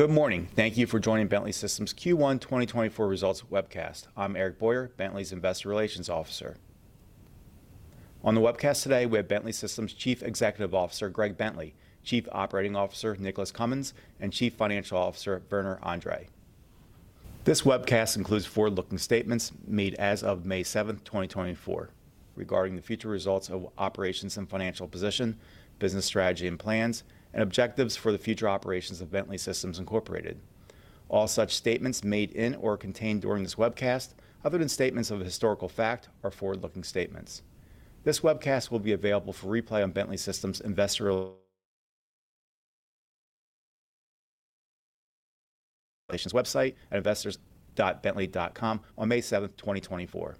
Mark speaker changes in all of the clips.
Speaker 1: Good morning. Thank you for joining Bentley Systems Q1 2024 Results Webcast. I'm Eric Boyer, Bentley's Investor Relations Officer. On the webcast today, we have Bentley Systems Chief Executive Officer Greg Bentley, Chief Operating Officer Nicholas Cumins, and Chief Financial Officer Werner Andre. This webcast includes forward-looking statements made as of May 7, 2024, regarding the future results of operations and financial position, business strategy and plans, and objectives for the future operations of Bentley Systems Incorporated. All such statements made in or contained during this webcast, other than statements of a historical fact, are forward-looking statements. This webcast will be available for replay on Bentley Systems Investor Relations website at investors.bentley.com on May 7, 2024.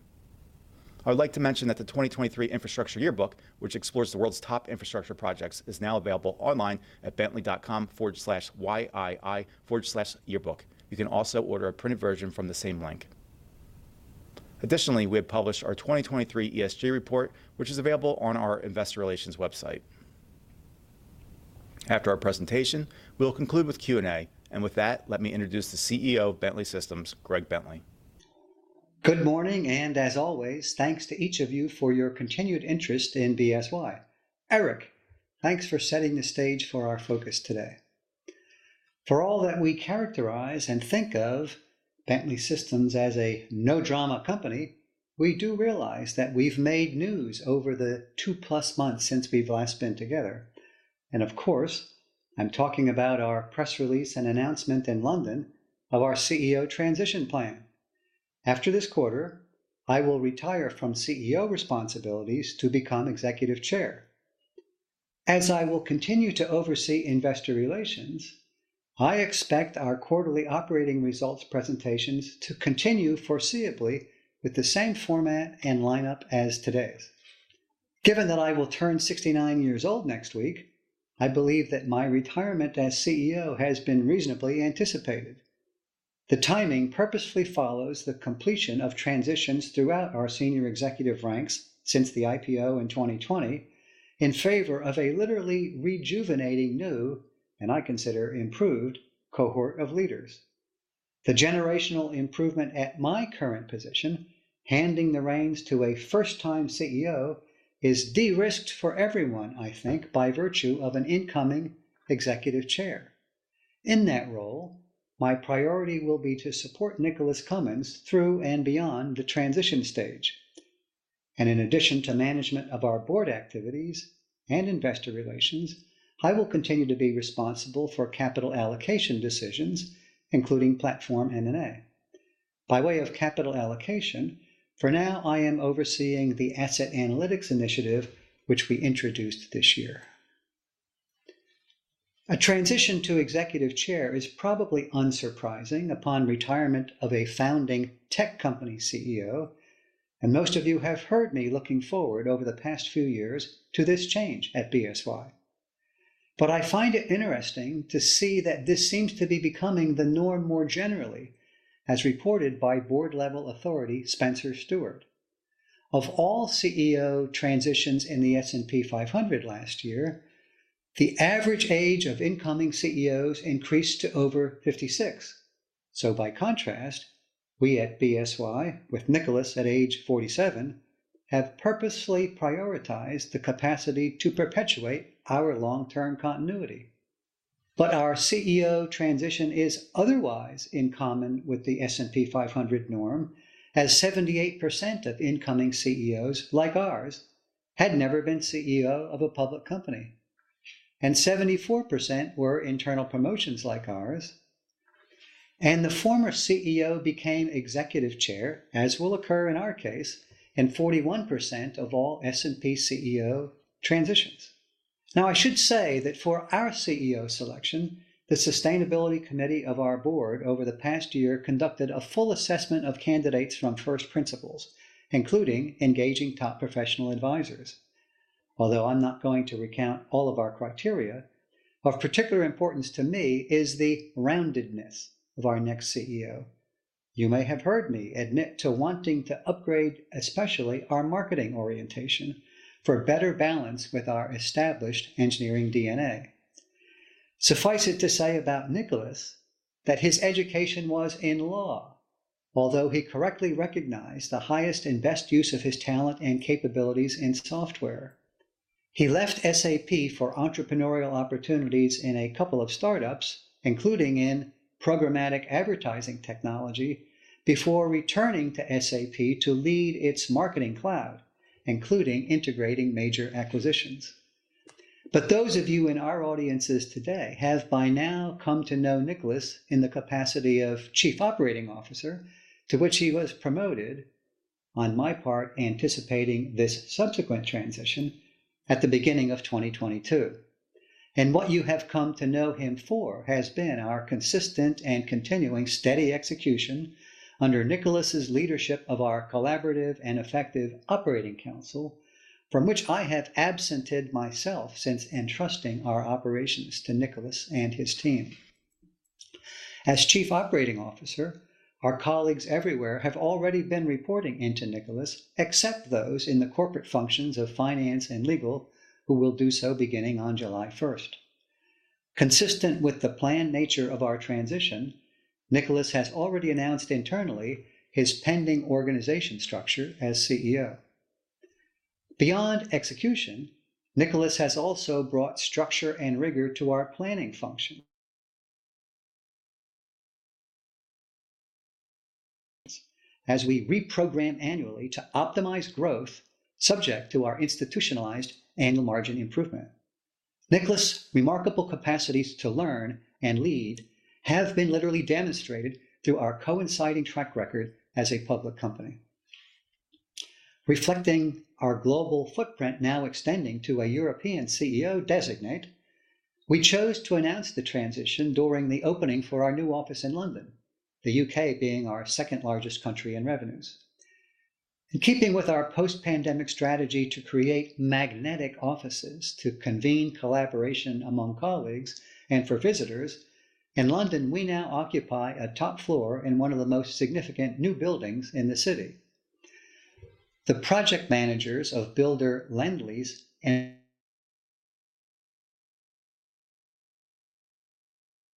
Speaker 1: I would like to mention that the 2023 Infrastructure Yearbook, which explores the world's top infrastructure projects, is now available online at bentley.com/yii/yearbook. You can also order a printed version from the same link. Additionally, we have published our 2023 ESG Report, which is available on our investor relations website. After our presentation, we'll conclude with Q&A. With that, let me introduce the CEO of Bentley Systems, Greg Bentley.
Speaker 2: Good morning. And as always, thanks to each of you for your continued interest in BSY. Eric, thanks for setting the stage for our focus today. For all that we characterize and think of Bentley Systems as a "no drama" company, we do realize that we've made news over the 2+ months since we've last been together. And of course, I'm talking about our press release and announcement in London of our CEO transition plan. After this quarter, I will retire from CEO responsibilities to become executive chair. As I will continue to oversee investor relations, I expect our quarterly operating results presentations to continue foreseeably with the same format and lineup as today's. Given that I will turn 69 years old next week, I believe that my retirement as CEO has been reasonably anticipated. The timing purposefully follows the completion of transitions throughout our senior executive ranks since the IPO in 2020 in favor of a literally rejuvenating new (and I consider improved) cohort of leaders. The generational improvement at my current position, handing the reins to a first-time CEO, is de-risked for everyone, I think, by virtue of an incoming Executive Chair. In that role, my priority will be to support Nicholas Cumins through and beyond the transition stage. In addition to management of our board activities and investor relations, I will continue to be responsible for capital allocation decisions, including platform M&A. By way of capital allocation, for now I am overseeing the Asset Analytics initiative, which we introduced this year. A transition to executive chair is probably unsurprising upon retirement of a founding tech company CEO, and most of you have heard me looking forward over the past few years to this change at BSY. But I find it interesting to see that this seems to be becoming the norm more generally, as reported by board-level authority Spencer Stuart. Of all CEO transitions in the S&P 500 last year, the average age of incoming CEOs increased to over 56. By contrast, we at BSY, with Nicholas at age 47, have purposefully prioritized the capacity to perpetuate our long-term continuity. But our CEO transition is otherwise in common with the S&P 500 norm, as 78% of incoming CEOs, like ours, had never been CEO of a public company. And 74% were internal promotions like ours. The former CEO became Executive Chair, as will occur in our case, in 41% of all S&P CEO transitions. Now, I should say that for our CEO selection, the Sustainability Committee of our board over the past year conducted a full assessment of candidates from first principles, including engaging top professional advisors. Although I'm not going to recount all of our criteria, of particular importance to me is the roundedness of our next CEO. You may have heard me admit to wanting to upgrade especially our marketing orientation for better balance with our established engineering DNA. Suffice it to say about Nicholas that his education was in law, although he correctly recognized the highest and best use of his talent and capabilities in software. He left SAP for entrepreneurial opportunities in a couple of startups, including in programmatic advertising technology, before returning to SAP to lead its Marketing Cloud, including integrating major acquisitions. But those of you in our audiences today have by now come to know Nicholas in the capacity of Chief Operating Officer, to which he was promoted, on my part anticipating this subsequent transition, at the beginning of 2022. And what you have come to know him for has been our consistent and continuing steady execution under Nicholas's leadership of our collaborative and effective operating council, from which I have absented myself since entrusting our operations to Nicholas and his team. As Chief Operating Officer, our colleagues everywhere have already been reporting into Nicholas, except those in the corporate functions of finance and legal who will do so beginning on July 1. Consistent with the planned nature of our transition, Nicholas has already announced internally his pending organization structure as CEO. Beyond execution, Nicholas has also brought structure and rigor to our planning functions, as we reprogram annually to optimize growth subject to our institutionalized annual margin improvement. Nicholas' remarkable capacities to learn and lead have been literally demonstrated through our coinciding track record as a public company. Reflecting our global footprint now extending to a European CEO designate, we chose to announce the transition during the opening for our new office in London, the U.K. being our second largest country in revenues. In keeping with our post-pandemic strategy to create magnetic offices to convene collaboration among colleagues and for visitors, in London we now occupy a top floor in one of the most significant new buildings in the city. The project managers of builder Lendlease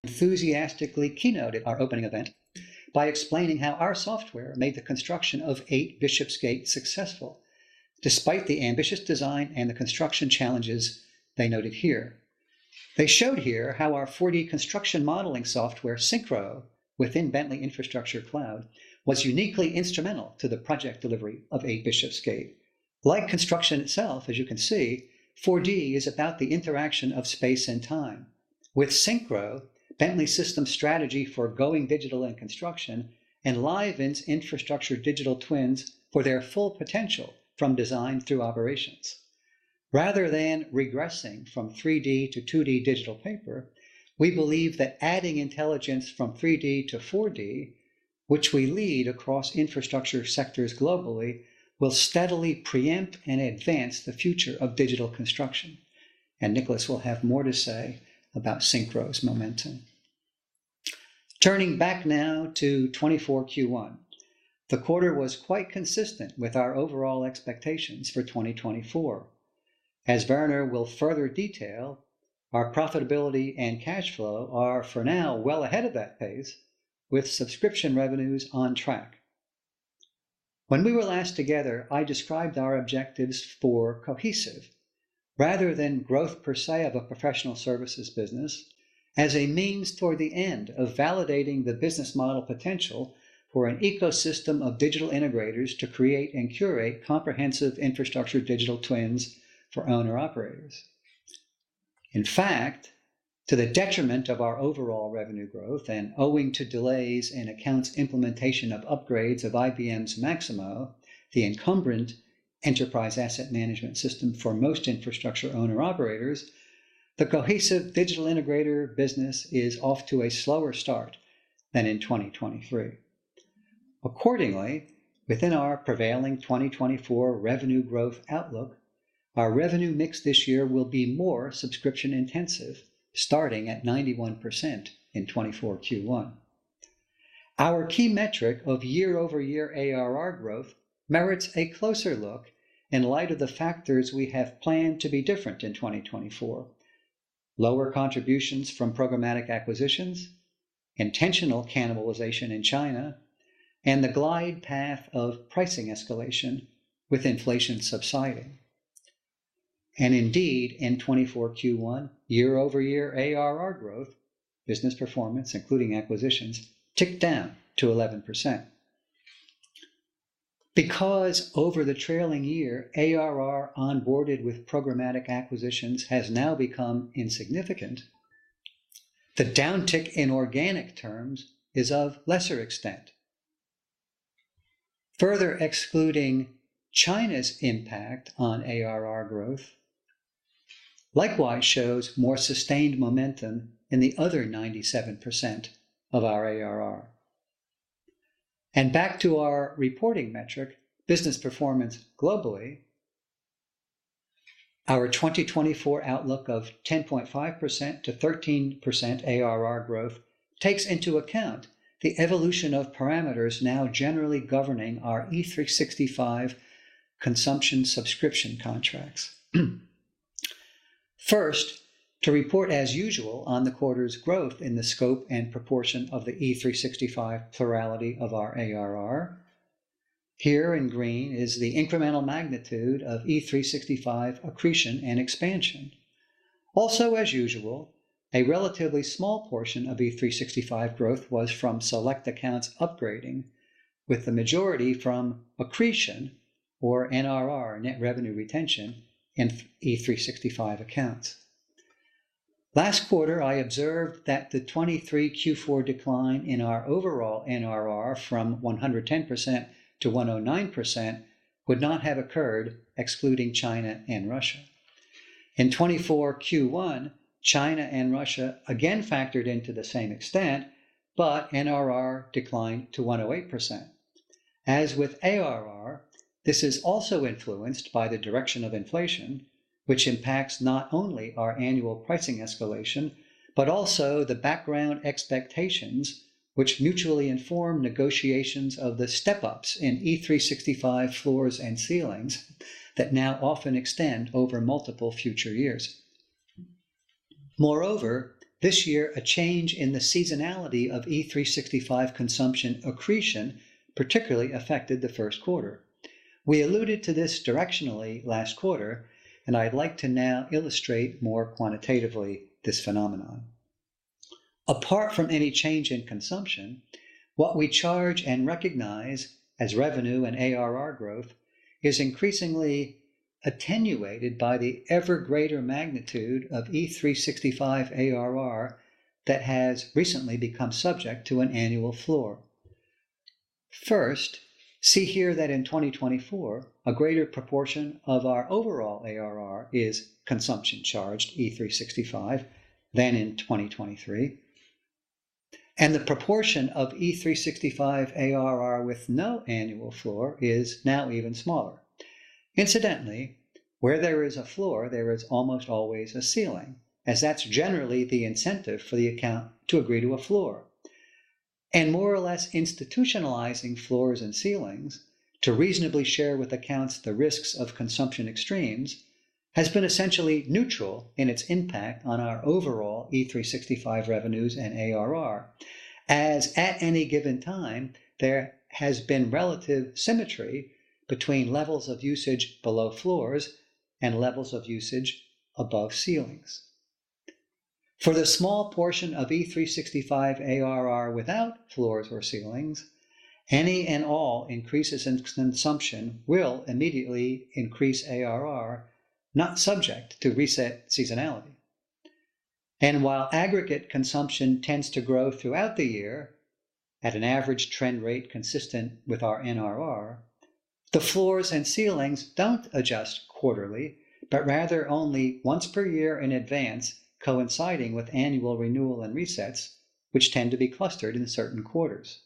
Speaker 2: enthusiastically keynoted our opening event by explaining how our software made the construction of 8 Bishopsgate successful despite the ambitious design and the construction challenges they noted here. They showed here how our 4D construction modeling software, SYNCHRO within Bentley Infrastructure Cloud, was uniquely instrumental to the project delivery of 8 Bishopsgate. Like construction itself, as you can see, 4D is about the interaction of space and time. With SYNCHRO, Bentley Systems' strategy for going digital in construction enlivens infrastructure digital twins for their full potential from design through operations. Rather than regressing from 3D to 2D digital paper, we believe that adding intelligence from 3D to 4D, which we lead across infrastructure sectors globally, will steadily preempt and advance the future of digital construction. And Nicholas will have more to say about SYNCHRO's momentum. Turning back now to 2024 Q1, the quarter was quite consistent with our overall expectations for 2024. As Werner will further detail, our profitability and cash flow are for now well ahead of that pace, with subscription revenues on track. When we were last together, I described our objectives for Cohesive, rather than growth per se of a professional services business, as a means toward the end of validating the business model potential for an ecosystem of digital integrators to create and curate comprehensive infrastructure digital twins for owner-operators. In fact, to the detriment of our overall revenue growth and owing to delays in accounts implementation of upgrades of IBM's Maximo, the incumbent enterprise asset management system for most infrastructure owner-operators, the Cohesive digital integrator business is off to a slower start than in 2023. Accordingly, within our prevailing 2024 revenue growth outlook, our revenue mix this year will be more subscription-intensive, starting at 91% in 2024 Q1. Our key metric of year-over-year ARR growth merits a closer look in light of the factors we have planned to be different in 2024: lower contributions from programmatic acquisitions, intentional cannibalization in China, and the glide path of pricing escalation with inflation subsiding. And indeed, in 2024 Q1, year-over-year ARR growth, business performance, including acquisitions, ticked down to 11%. Because over the trailing year, ARR onboarded with programmatic acquisitions has now become insignificant, the downtick in organic terms is of lesser extent. Further excluding China's impact on ARR growth, likewise shows more sustained momentum in the other 97% of our ARR. Back to our reporting metric, business performance globally, our 2024 outlook of 10.5%-13% ARR growth takes into account the evolution of parameters now generally governing our E365 consumption subscription contracts. First, to report as usual on the quarter's growth in the scope and proportion of the E365 plurality of our ARR. Here in green is the incremental magnitude of E365 accretion and expansion. Also, as usual, a relatively small portion of E365 growth was from SELECT accounts upgrading, with the majority from accretion or NRR, net revenue retention, in E365 accounts. Last quarter, I observed that the 2023 Q4 decline in our overall NRR from 110%-109% would not have occurred excluding China and Russia. In 2024 Q1, China and Russia again factored into the same extent, but NRR declined to 108%. As with ARR, this is also influenced by the direction of inflation, which impacts not only our annual pricing escalation but also the background expectations, which mutually inform negotiations of the step-ups in E365 floors and ceilings that now often extend over multiple future years. Moreover, this year, a change in the seasonality of E365 consumption accretion particularly affected the first quarter. We alluded to this directionally last quarter, and I'd like to now illustrate more quantitatively this phenomenon. Apart from any change in consumption, what we charge and recognize as revenue and ARR growth is increasingly attenuated by the ever greater magnitude of E365 ARR that has recently become subject to an annual floor. First, see here that in 2024, a greater proportion of our overall ARR is consumption charged E365 than in 2023. The proportion of E365 ARR with no annual floor is now even smaller. Incidentally, where there is a floor, there is almost always a ceiling, as that's generally the incentive for the account to agree to a floor. And more or less institutionalizing floors and ceilings to reasonably share with accounts the risks of consumption extremes has been essentially neutral in its impact on our overall E365 revenues and ARR, as at any given time there has been relative symmetry between levels of usage below floors and levels of usage above ceilings. For the small portion of E365 ARR without floors or ceilings, any and all increases in consumption will immediately increase ARR, not subject to reset seasonality. And while aggregate consumption tends to grow throughout the year at an average trend rate consistent with our NRR, the floors and ceilings don't adjust quarterly but rather only once per year in advance, coinciding with annual renewal and resets, which tend to be clustered in certain quarters.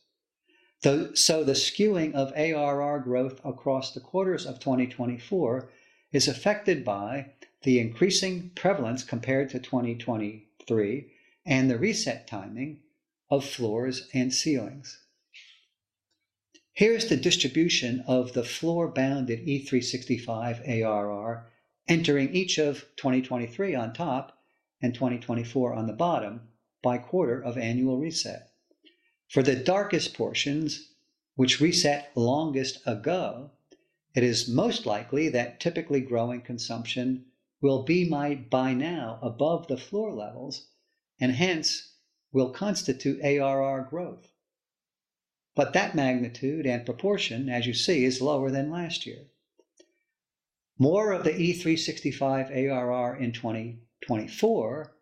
Speaker 2: So the skewing of ARR growth across the quarters of 2024 is affected by the increasing prevalence compared to 2023 and the reset timing of floors and ceilings. Here's the distribution of the floor-bounded E365 ARR entering each of 2023 on top and 2024 on the bottom by quarter of annual reset. For the darkest portions, which reset longest ago, it is most likely that typically growing consumption will be by now above the floor levels and hence will constitute ARR growth. But that magnitude and proportion, as you see, is lower than last year. More of the E365 ARR in 2024,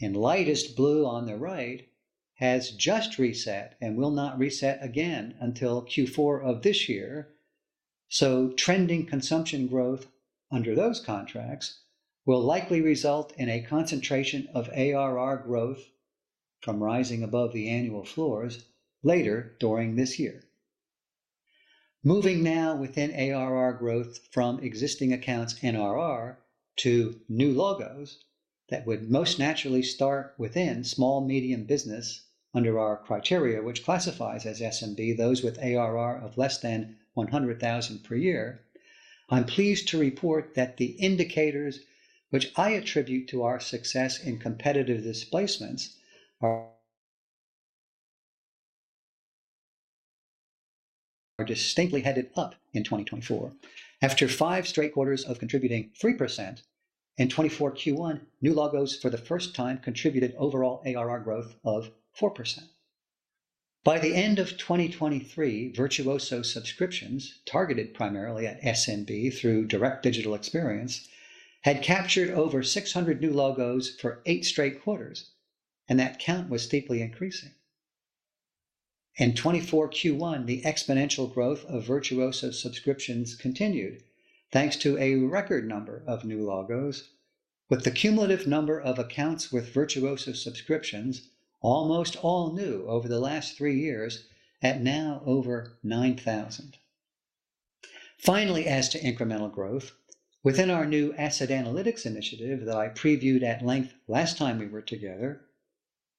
Speaker 2: in lightest blue on the right, has just reset and will not reset again until Q4 of this year. So trending consumption growth under those contracts will likely result in a concentration of ARR growth from rising above the annual floors later during this year. Moving now within ARR growth from existing accounts NRR to new logos that would most naturally start within small-medium business under our criteria, which classifies as SMB, those with ARR of less than 100,000 per year, I'm pleased to report that the indicators which I attribute to our success in competitive displacements are distinctly headed up in 2024. After five straight quarters of contributing 3%, in 2024 Q1, new logos for the first time contributed overall ARR growth of 4%. By the end of 2023, Virtuosity subscriptions, targeted primarily at SMB through direct digital experience, had captured over 600 new logos for eight straight quarters, and that count was steeply increasing. In Q1 2024, the exponential growth of Virtuosity subscriptions continued thanks to a record number of new logos, with the cumulative number of accounts with Virtuosity subscriptions almost all new over the last three years at now over 9,000. Finally, as to incremental growth, within our new asset analytics initiative that I previewed at length last time we were together,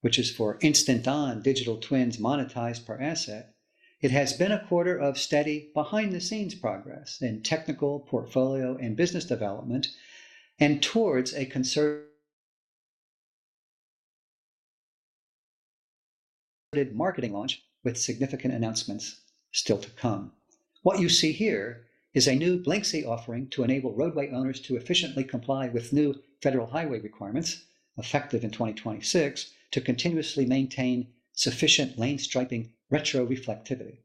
Speaker 2: which is for Instant On digital twins monetized per asset, it has been a quarter of steady behind-the-scenes progress in technical portfolio and business development and towards a concerted marketing launch with significant announcements still to come. What you see here is a new Blyncsy offering to enable roadway owners to efficiently comply with new federal highway requirements, effective in 2026, to continuously maintain sufficient lane-striping retroreflectivity.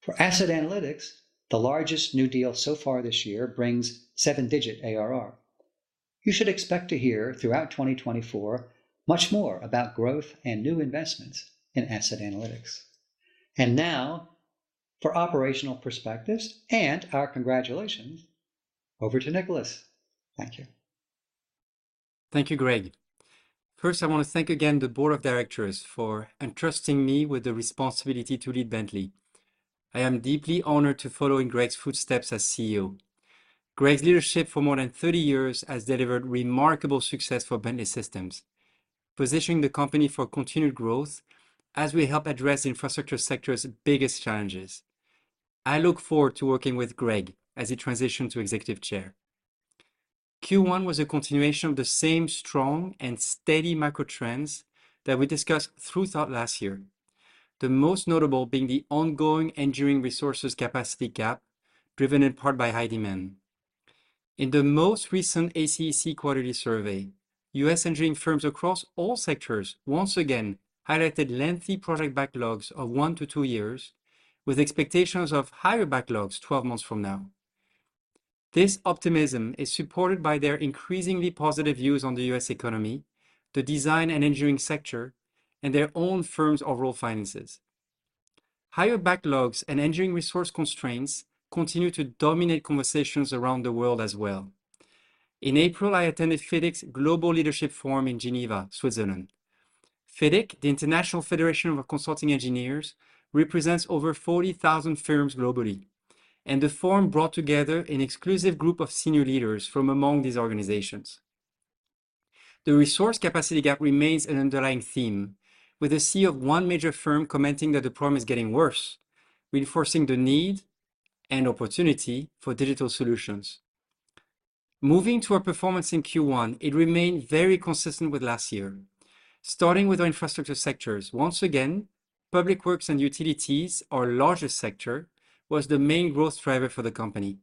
Speaker 2: For asset analytics, the largest new deal so far this year brings seven-digit ARR. You should expect to hear throughout 2024 much more about growth and new investments in asset analytics. And now, for operational perspectives and our congratulations, over to Nicholas. Thank you.
Speaker 3: Thank you, Greg. First, I want to thank again the board of directors for entrusting me with the responsibility to lead Bentley. I am deeply honored to follow in Greg's footsteps as CEO. Greg's leadership for more than 30 years has delivered remarkable success for Bentley Systems, positioning the company for continued growth as we help address infrastructure sector's biggest challenges. I look forward to working with Greg as he transitions to Executive Chair. Q1 was a continuation of the same strong and steady macro trends that we discussed throughout last year, the most notable being the ongoing engineering resources capacity gap driven in part by high demand. In the most recent ACEC quarterly survey, U.S. engineering firms across all sectors once again highlighted lengthy project backlogs of 1-2 years, with expectations of higher backlogs 12 months from now. This optimism is supported by their increasingly positive views on the U.S. economy, the design and engineering sector, and their own firm's overall finances. Higher backlogs and engineering resource constraints continue to dominate conversations around the world as well. In April, I attended FIDIC's Global Leadership Forum in Geneva, Switzerland. FIDIC, the International Federation of Consulting Engineers, represents over 40,000 firms globally, and the forum brought together an exclusive group of senior leaders from among these organizations. The resource capacity gap remains an underlying theme, with a [sea] of one major firm commenting that the problem is getting worse, reinforcing the need and opportunity for digital solutions. Moving to our performance in Q1, it remained very consistent with last year. Starting with our infrastructure sectors, once again, public works and utilities, our largest sector, was the main growth driver for the company.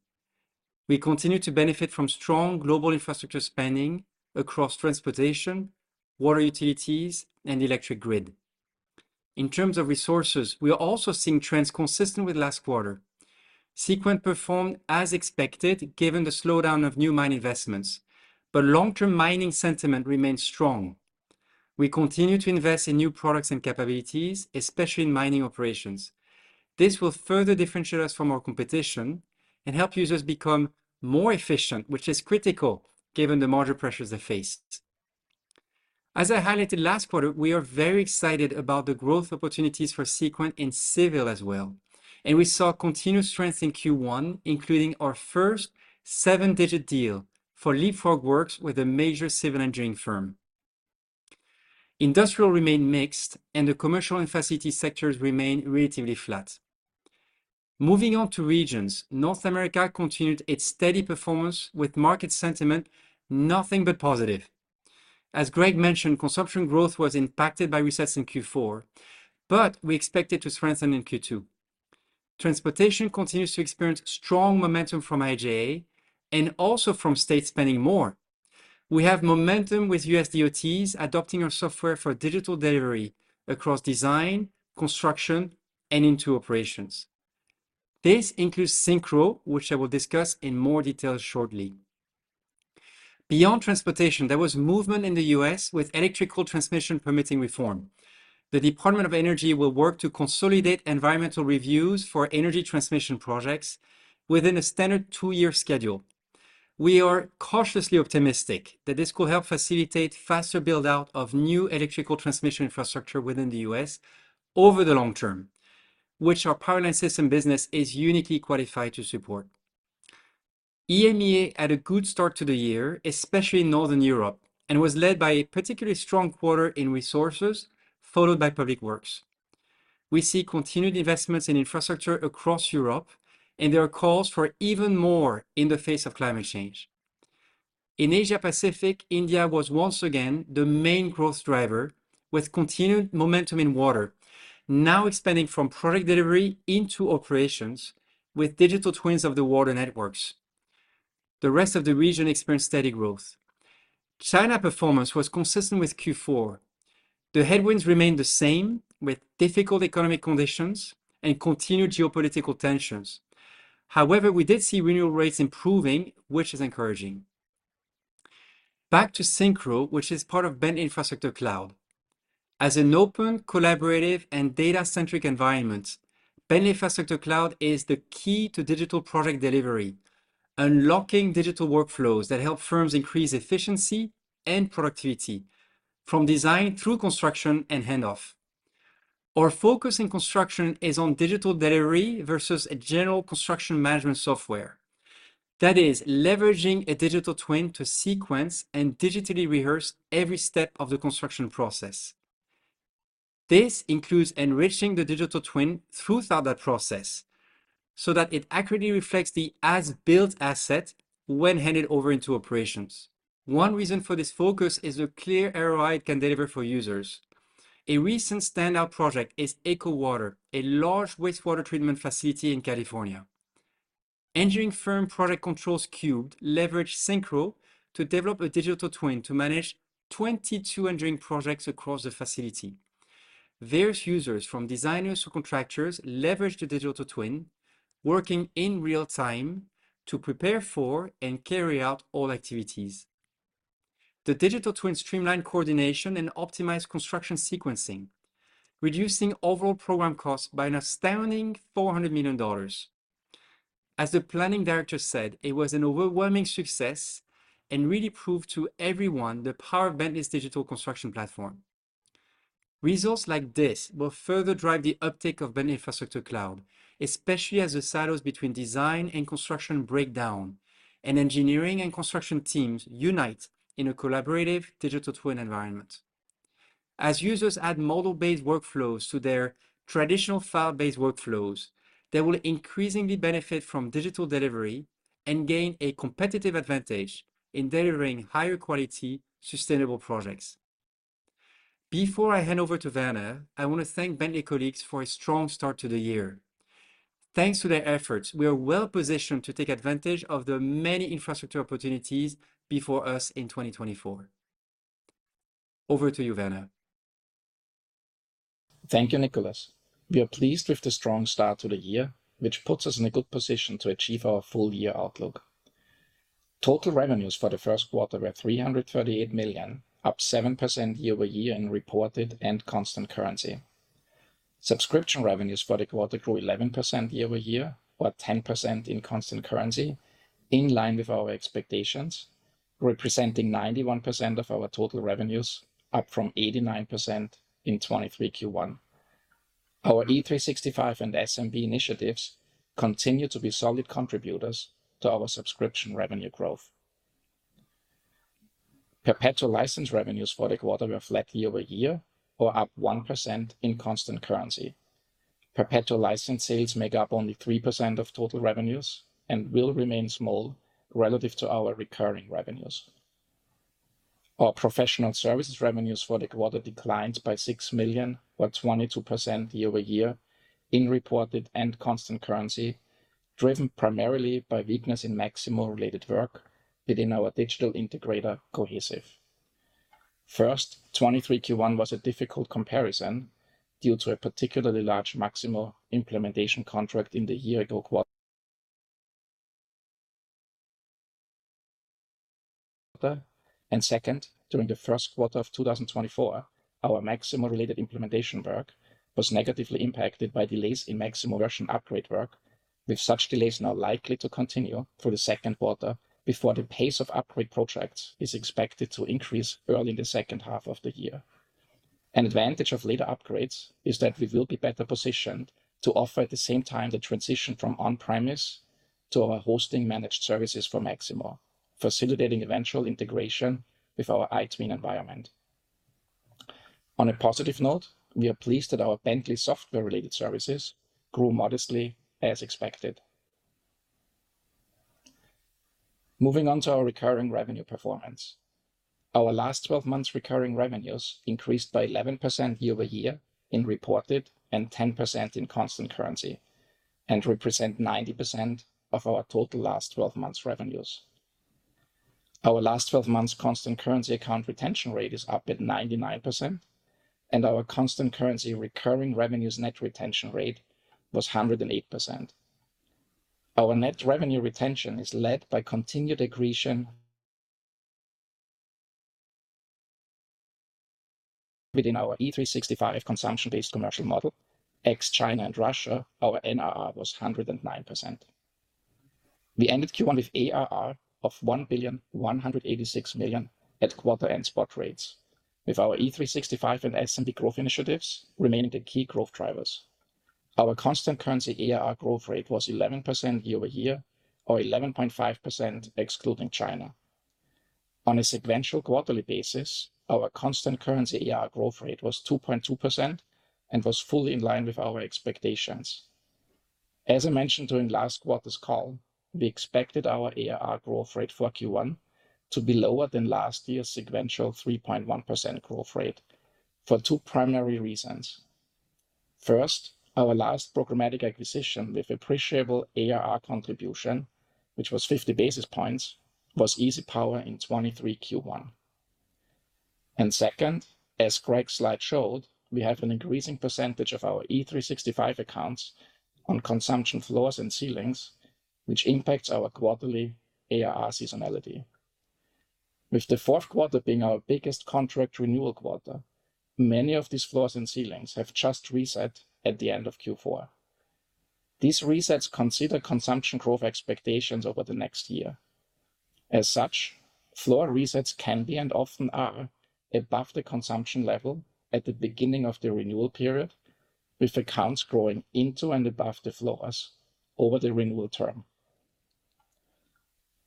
Speaker 3: We continue to benefit from strong global infrastructure spending across transportation, water utilities, and electric grid. In terms of resources, we are also seeing trends consistent with last quarter. Seequent performed as expected given the slowdown of new mine investments, but long-term mining sentiment remains strong. We continue to invest in new products and capabilities, especially in mining operations. This will further differentiate us from our competition and help users become more efficient, which is critical given the margin pressures they face. As I highlighted last quarter, we are very excited about the growth opportunities for Seequent in civil as well, and we saw continued strength in Q1, including our first seven-digit deal for Leapfrog Works with a major civil engineering firm. Industrial remained mixed, and the commercial and facilities sectors remained relatively flat. Moving on to regions, North America continued its steady performance with market sentiment nothing but positive. As Greg mentioned, consumption growth was impacted by resets in Q4, but we expect it to strengthen in Q2. Transportation continues to experience strong momentum from IIJA and also from states spending more. We have momentum with USDOTs adopting our software for digital delivery across design, construction, and into operations. This includes SYNCHRO, which I will discuss in more detail shortly. Beyond transportation, there was movement in the U.S. with electrical transmission permitting reform. The Department of Energy will work to consolidate environmental reviews for energy transmission projects within a standard two-year schedule. We are cautiously optimistic that this could help facilitate faster buildout of new electrical transmission infrastructure within the U.S. over the long term, which our Power Line Systems business is uniquely qualified to support. EMEA had a good start to the year, especially in Northern Europe, and was led by a particularly strong quarter in resources, followed by public works. We see continued investments in infrastructure across Europe, and there are calls for even more in the face of climate change. In Asia-Pacific, India was once again the main growth driver with continued momentum in water, now expanding from project delivery into operations with digital twins of the water networks. The rest of the region experienced steady growth. China performance was consistent with Q4. The headwinds remained the same with difficult economic conditions and continued geopolitical tensions. However, we did see renewal rates improving, which is encouraging. Back to SYNCHRO, which is part of Bentley Infrastructure Cloud. As an open, collaborative, and data-centric environment, Bentley Infrastructure Cloud is the key to digital project delivery, unlocking digital workflows that help firms increase efficiency and productivity from design through construction and handoff. Our focus in construction is on digital delivery versus a general construction management software. That is, leveraging a digital twin to sequence and digitally rehearse every step of the construction process. This includes enriching the digital twin throughout that process so that it accurately reflects the as-built asset when handed over into operations. One reason for this focus is the clear value it can deliver for users. A recent standout project is EchoWater, a large wastewater treatment facility in California. Engineering firm Project Controls Cubed leveraged SYNCHRO to develop a digital twin to manage 22 engineering projects across the facility. Various users, from designers to contractors, leveraged the digital twin, working in real time to prepare for and carry out all activities. The digital twin streamlined coordination and optimized construction sequencing, reducing overall program costs by an astounding $400 million. As the planning director said, it was an overwhelming success and really proved to everyone the power of Bentley's digital construction platform. Results like this will further drive the uptake of Bentley Infrastructure Cloud, especially as the silos between design and construction break down and engineering and construction teams unite in a collaborative digital twin environment. As users add model-based workflows to their traditional file-based workflows, they will increasingly benefit from digital delivery and gain a competitive advantage in delivering higher quality, sustainable projects. Before I hand over to Werner, I want to thank Bentley colleagues for a strong start to the year. Thanks to their efforts, we are well positioned to take advantage of the many infrastructure opportunities before us in 2024. Over to you, Werner.
Speaker 4: Thank you, Nicholas. We are pleased with the strong start to the year, which puts us in a good position to achieve our full-year outlook. Total revenues for the first quarter were $338 million, up 7% year-over-year in reported and constant currency. Subscription revenues for the quarter grew 11% year-over-year, or 10% in constant currency, in line with our expectations, representing 91% of our total revenues, up from 89% in 2023 Q1. Our E365 and SMB initiatives continue to be solid contributors to our subscription revenue growth. Perpetual license revenues for the quarter were flat year-over-year, or up 1% in constant currency. Perpetual license sales make up only 3% of total revenues and will remain small relative to our recurring revenues. Our professional services revenues for the quarter declined by $6 million, or 22% year-over-year, in reported and constant currency, driven primarily by weakness in Maximo-related work within our digital integrator Cohesive. First, Q1 2023 was a difficult comparison due to a particularly large Maximo implementation contract in the year-ago quarter, and second, during the first quarter of 2024, our Maximo-related implementation work was negatively impacted by delays in Maximo version upgrade work, with such delays now likely to continue through the second quarter before the pace of upgrade projects is expected to increase early in the second half of the year. An advantage of later upgrades is that we will be better positioned to offer at the same time the transition from on-premise to our hosting-managed services for Maximo, facilitating eventual integration with our iTwin environment. On a positive note, we are pleased that our Bentley software-related services grew modestly, as expected. Moving on to our recurring revenue performance. Our last 12 months' recurring revenues increased by 11% year-over-year in reported and 10% in constant currency, and represent 90% of our total last 12 months' revenues. Our last 12 months' constant currency account retention rate is up at 99%, and our constant currency recurring revenues net retention rate was 108%. Our net revenue retention is led by continued accretion within our E365 consumption-based commercial model. Ex-China and Russia, our NRR was 109%. We ended Q1 with ARR of $1,186 million at quarter-end spot rates, with our E365 and SMB growth initiatives remaining the key growth drivers. Our constant currency ARR growth rate was 11% year-over-year, or 11.5% excluding China. On a sequential quarterly basis, our constant currency ARR growth rate was 2.2% and was fully in line with our expectations. As I mentioned during last quarter's call, we expected our ARR growth rate for Q1 to be lower than last year's sequential 3.1% growth rate for two primary reasons. First, our last programmatic acquisition with appreciable ARR contribution, which was 50 basis points, was EasyPower in 2023 Q1. And second, as Greg's slide showed, we have an increasing percentage of our E365 accounts on consumption floors and ceilings, which impacts our quarterly ARR seasonality. With the fourth quarter being our biggest contract renewal quarter, many of these floors and ceilings have just reset at the end of Q4. These resets consider consumption growth expectations over the next year. As such, floor resets can be and often are above the consumption level at the beginning of the renewal period, with accounts growing into and above the floors over the renewal term.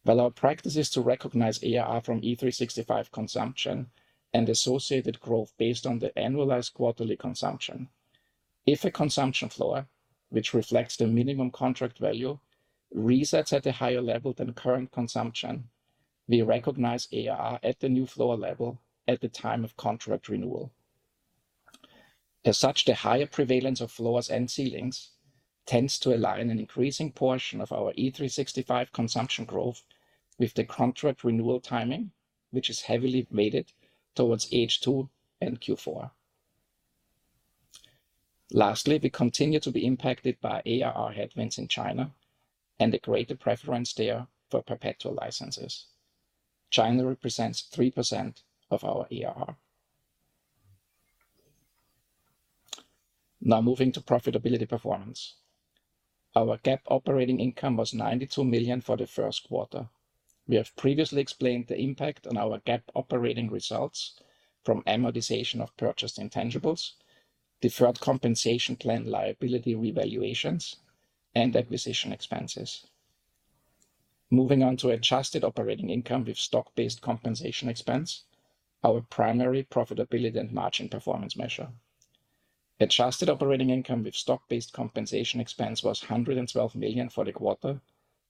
Speaker 4: While our practice is to recognize ARR from E365 consumption and associated growth based on the annualized quarterly consumption, if a consumption floor, which reflects the minimum contract value, resets at a higher level than current consumption, we recognize ARR at the new floor level at the time of contract renewal. As such, the higher prevalence of floors and ceilings tends to align an increasing portion of our E365 consumption growth with the contract renewal timing, which is heavily weighted towards H2 and Q4. Lastly, we continue to be impacted by ARR headwinds in China and a greater preference there for perpetual licenses. China represents 3% of our ARR. Now moving to profitability performance. Our GAAP operating income was $92 million for the first quarter. We have previously explained the impact on our GAAP operating results from amortization of purchased intangibles, deferred compensation plan liability revaluations, and acquisition expenses. Moving on to adjusted operating income with stock-based compensation expense, our primary profitability and margin performance measure. Adjusted operating income with stock-based compensation expense was $112 million for the quarter,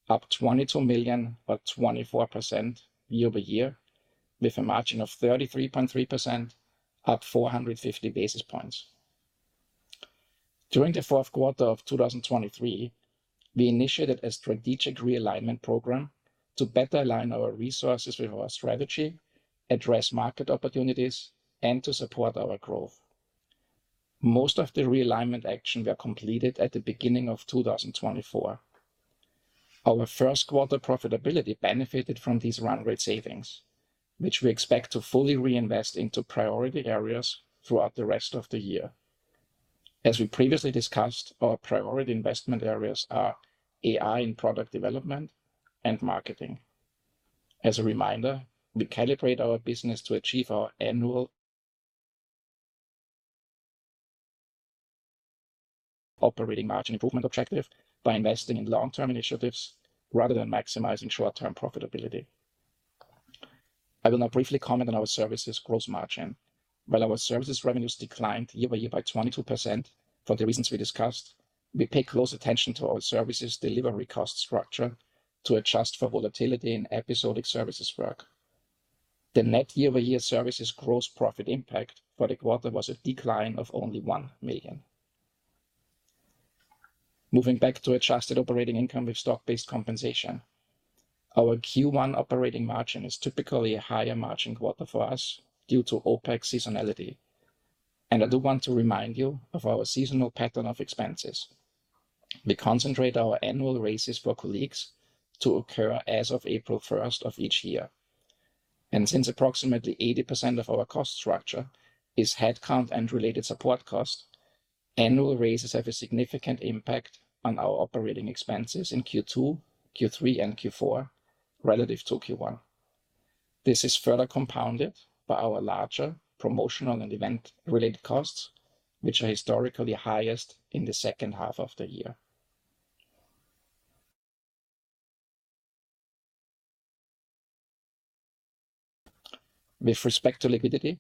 Speaker 4: up $22 million, or 24% year-over-year, with a margin of 33.3%, up 450 basis points. During the fourth quarter of 2023, we initiated a strategic realignment program to better align our resources with our strategy, address market opportunities, and to support our growth. Most of the realignment action was completed at the beginning of 2024. Our first quarter profitability benefited from these run-rate savings, which we expect to fully reinvest into priority areas throughout the rest of the year. As we previously discussed, our priority investment areas are AI in product development and marketing. As a reminder, we calibrate our business to achieve our annual operating margin improvement objective by investing in long-term initiatives rather than maximizing short-term profitability. I will now briefly comment on our services' gross margin. While our services revenues declined year-over-year by 22% from the reasons we discussed, we pay close attention to our services' delivery cost structure to adjust for volatility in episodic services work. The net year-over-year services gross profit impact for the quarter was a decline of only $1 million. Moving back to adjusted operating income with stock-based compensation. Our Q1 operating margin is typically a higher margin quarter for us due to OpEx seasonality. I do want to remind you of our seasonal pattern of expenses. We concentrate our annual raises for colleagues to occur as of April 1st of each year. Since approximately 80% of our cost structure is headcount and related support costs, annual raises have a significant impact on our operating expenses in Q2, Q3, and Q4 relative to Q1. This is further compounded by our larger promotional and event-related costs, which are historically highest in the second half of the year. With respect to liquidity,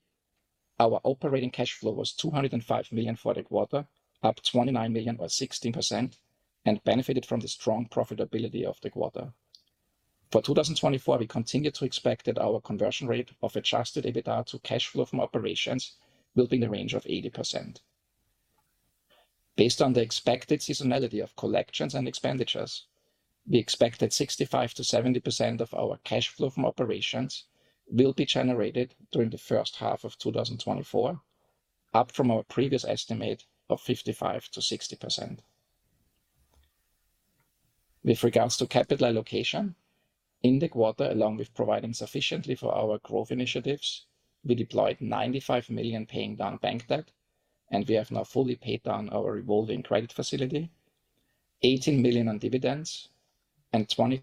Speaker 4: our operating cash flow was $205 million for the quarter, up $29 million, or 16%, and benefited from the strong profitability of the quarter. For 2024, we continue to expect that our conversion rate of adjusted EBITDA to cash flow from operations will be in the range of 80%. Based on the expected seasonality of collections and expenditures, we expect that 65%-70% of our cash flow from operations will be generated during the first half of 2024, up from our previous estimate of 55%-60%. With regards to capital allocation, in the quarter, along with providing sufficiently for our growth initiatives, we deployed $95 million paying down bank debt, and we have now fully paid down our revolving credit facility, $18 million on dividends, and $3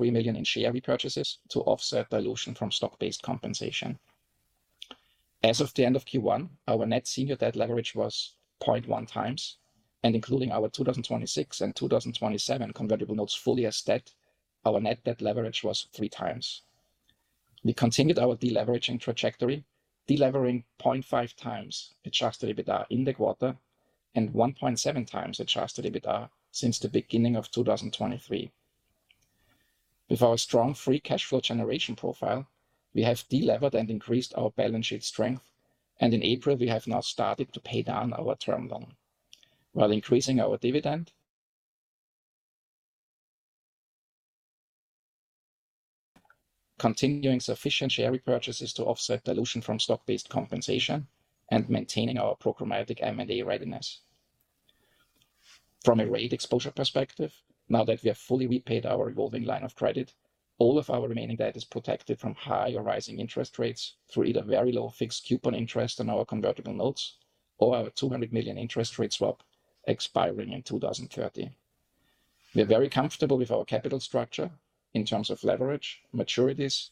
Speaker 4: million in share repurchases to offset dilution from stock-based compensation. As of the end of Q1, our net senior debt leverage was 0.1 times, and including our 2026 and 2027 convertible notes fully as debt, our net debt leverage was 3 times. We continued our deleveraging trajectory, delevering 0.5x adjusted EBITDA in the quarter and 1.7x adjusted EBITDA since the beginning of 2023. With our strong free cash flow generation profile, we have delevered and increased our balance sheet strength, and in April, we have now started to pay down our term loan. While increasing our dividend, continuing sufficient share repurchases to offset dilution from stock-based compensation and maintaining our programmatic M&A readiness. From a rate exposure perspective, now that we have fully repaid our revolving line of credit, all of our remaining debt is protected from high or rising interest rates through either very low fixed coupon interest on our convertible notes or our $200 million interest rate swap expiring in 2030. We are very comfortable with our capital structure in terms of leverage, maturities,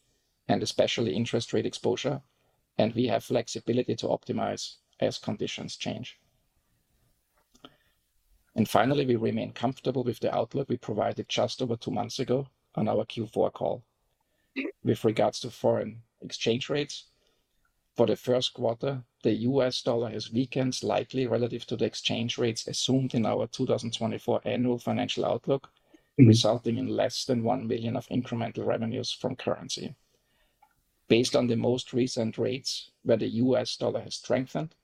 Speaker 4: and especially interest rate exposure, and we have flexibility to optimize as conditions change. Finally, we remain comfortable with the outlook we provided just over two months ago on our Q4 call. With regards to foreign exchange rates, for the first quarter, the U.S. dollar has weakened slightly relative to the exchange rates assumed in our 2024 annual financial outlook, resulting in less than $1 million of incremental revenues from currency. Based on the most recent rates where the U.S. dollar has strengthened,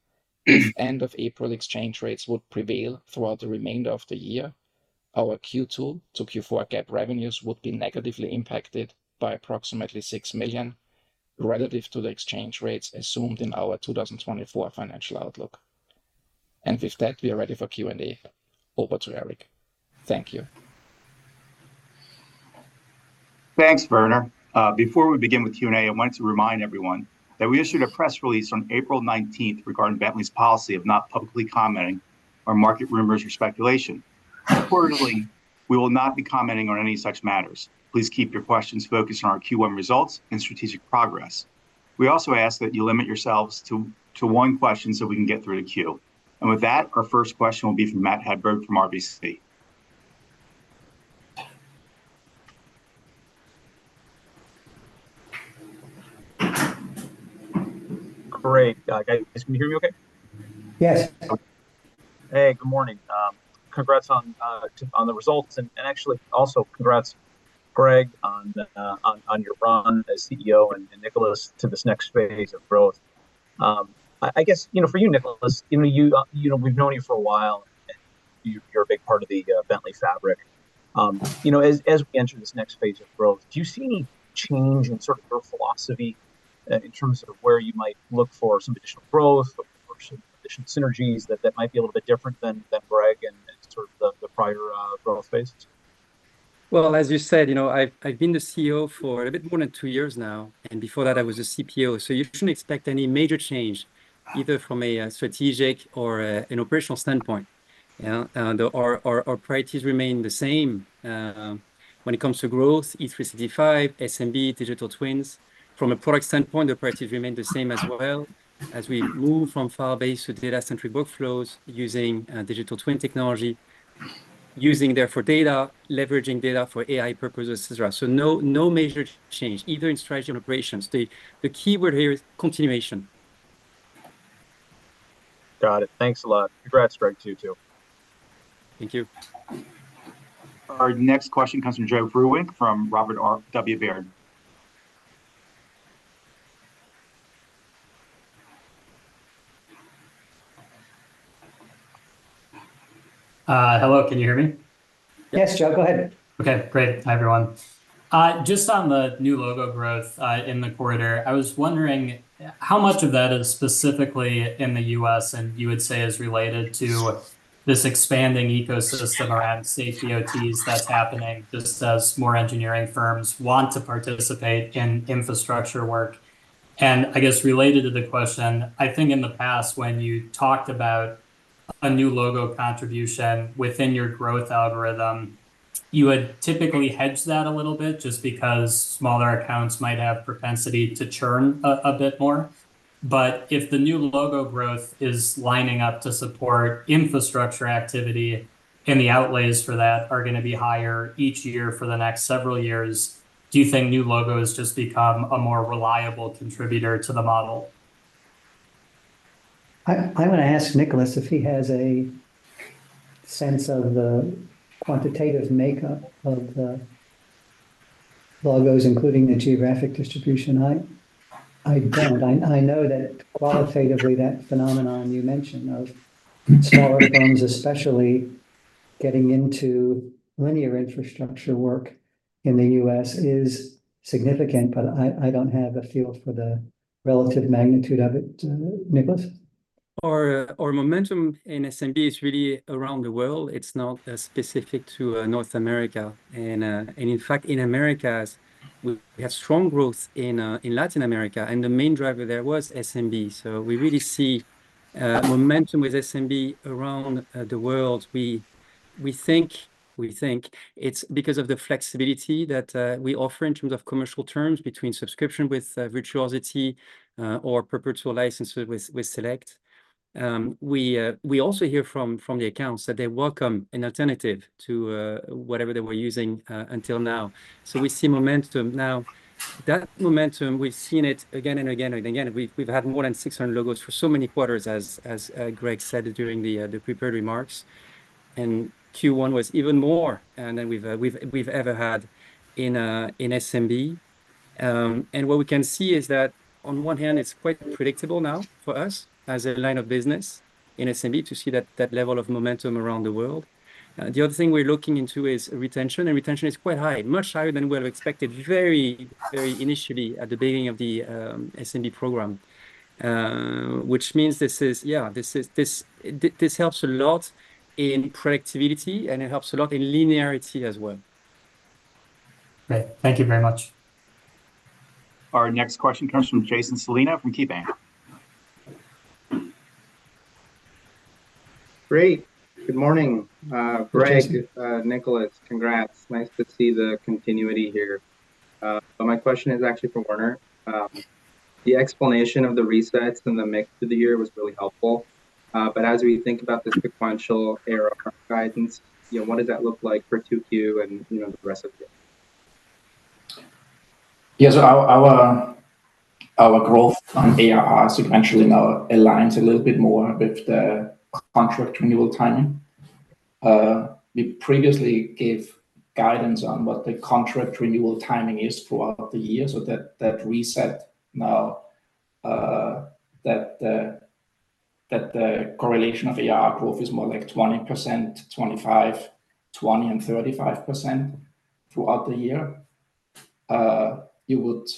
Speaker 4: if end-of-April exchange rates would prevail throughout the remainder of the year, our Q2 to Q4 GAAP revenues would be negatively impacted by approximately $6 million relative to the exchange rates assumed in our 2024 financial outlook. With that, we are ready for Q&A. Over to Eric. Thank you.
Speaker 1: Thanks, Werner. Before we begin with Q&A, I wanted to remind everyone that we issued a press release on April 19th regarding Bentley's policy of not publicly commenting on market rumors or speculation. Accordingly, we will not be commenting on any such matters. Please keep your questions focused on our Q1 results and strategic progress. We also ask that you limit yourselves to one question so we can get through the queue. With that, our first question will be from Matt Hedberg from RBC.
Speaker 5: Great, [Greg]. Can you hear me okay?
Speaker 2: Yes.
Speaker 5: Hey, good morning. Congrats on the results. And actually, also, congrats, Greg, on your run as CEO and Nicholas to this next phase of growth. I guess for you, Nicholas, we've known you for a while, and you're a big part of the Bentley fabric. As we enter this next phase of growth, do you see any change in sort of your philosophy in terms of where you might look for some additional growth or some additional synergies that might be a little bit different than Greg and sort of the prior growth phases?
Speaker 3: Well, as you said, I've been the CEO for a little bit more than two years now, and before that, I was the CPO. So you shouldn't expect any major change either from a strategic or an operational standpoint. Our priorities remain the same. When it comes to growth, E365, SMB, digital twins, from a product standpoint, the priorities remain the same as well. As we move from file-based to data-centric workflows using digital twin technology, using therefore data, leveraging data for AI purposes, etc. So no major change, either in strategy or operations. The keyword here is continuation.
Speaker 5: Got it. Thanks a lot. Congrats, Greg, to you too.
Speaker 2: Thank you.
Speaker 1: Our next question comes from Joe Vruwink from Robert W. Baird.
Speaker 6: Hello. Can you hear me?
Speaker 2: Yes, Joe. Go ahead.
Speaker 6: Okay. Great. Hi, everyone. Just on the new logo growth in the corridor, I was wondering how much of that is specifically in the U.S., and you would say is related to this expanding ecosystem around state DOTs that's happening just as more engineering firms want to participate in infrastructure work. And I guess related to the question, I think in the past, when you talked about a new logo contribution within your growth algorithm, you would typically hedge that a little bit just because smaller accounts might have propensity to churn a bit more. But if the new logo growth is lining up to support infrastructure activity and the outlays for that are going to be higher each year for the next several years, do you think new logos just become a more reliable contributor to the model?
Speaker 2: I want to ask Nicholas if he has a sense of the quantitative makeup of the logos, including the geographic distribution. I don't. I know that qualitatively, that phenomenon you mentioned of smaller firms, especially getting into linear infrastructure work in the U.S., is significant, but I don't have a feel for the relative magnitude of it, Nicholas.
Speaker 3: Our momentum in SMB is really around the world. It's not specific to North America. And in fact, in America, we have strong growth in Latin America, and the main driver there was SMB. So we really see momentum with SMB around the world. We think it's because of the flexibility that we offer in terms of commercial terms between subscription with Virtuosity or perpetual licenses with Select. We also hear from the accounts that they welcome an alternative to whatever they were using until now. So we see momentum now. That momentum, we've seen it again and again and again. We've had more than 600 logos for so many quarters, as Greg said during the prepared remarks. And Q1 was even more than we've ever had in SMB. And what we can see is that, on one hand, it's quite predictable now for us as a line of business in SMB to see that level of momentum around the world. The other thing we're looking into is retention. And retention is quite high, much higher than we have expected very, very initially at the beginning of the SMB program, which means this is yeah, this helps a lot in productivity, and it helps a lot in linearity as well.
Speaker 6: Great. Thank you very much.
Speaker 1: Our next question comes from Jason Celino from KeyBanc.
Speaker 7: Great. Good morning, Greg, Nicholas. Congrats. Nice to see the continuity here. My question is actually for Werner. The explanation of the resets and the mix for the year was really helpful. But as we think about this sequential ARR guidance, what does that look like for 2Q and the rest of the year?
Speaker 4: Yeah. So our growth on ARR sequentially now aligns a little bit more with the contract renewal timing. We previously gave guidance on what the contract renewal timing is throughout the year. So that reset now, that the correlation of ARR growth is more like 20%, 25%, 20%, and 35% throughout the year. We would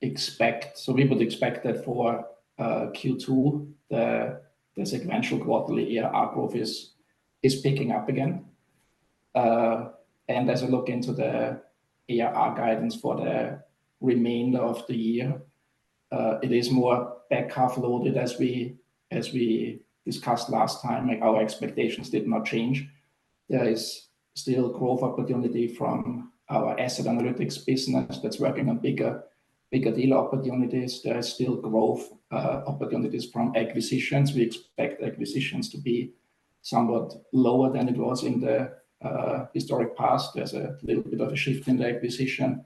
Speaker 4: expect that for Q2, the sequential quarterly ARR growth is picking up again. As I look into the ARR guidance for the remainder of the year, it is more back half-loaded. As we discussed last time, our expectations did not change. There is still growth opportunity from our asset analytics business that's working on bigger deal opportunities. There are still growth opportunities from acquisitions. We expect acquisitions to be somewhat lower than it was in the historic past. There's a little bit of a shift in the acquisition,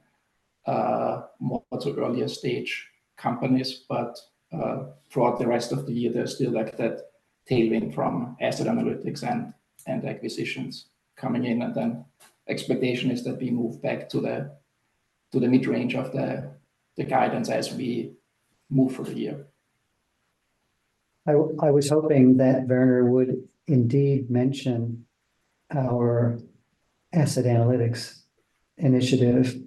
Speaker 4: more to earlier stage companies. But throughout the rest of the year, there's still that tailwind from asset analytics and acquisitions coming in. And then expectation is that we move back to the mid-range of the guidance as we move for the year.
Speaker 2: I was hoping that Werner would indeed mention our asset analytics initiative.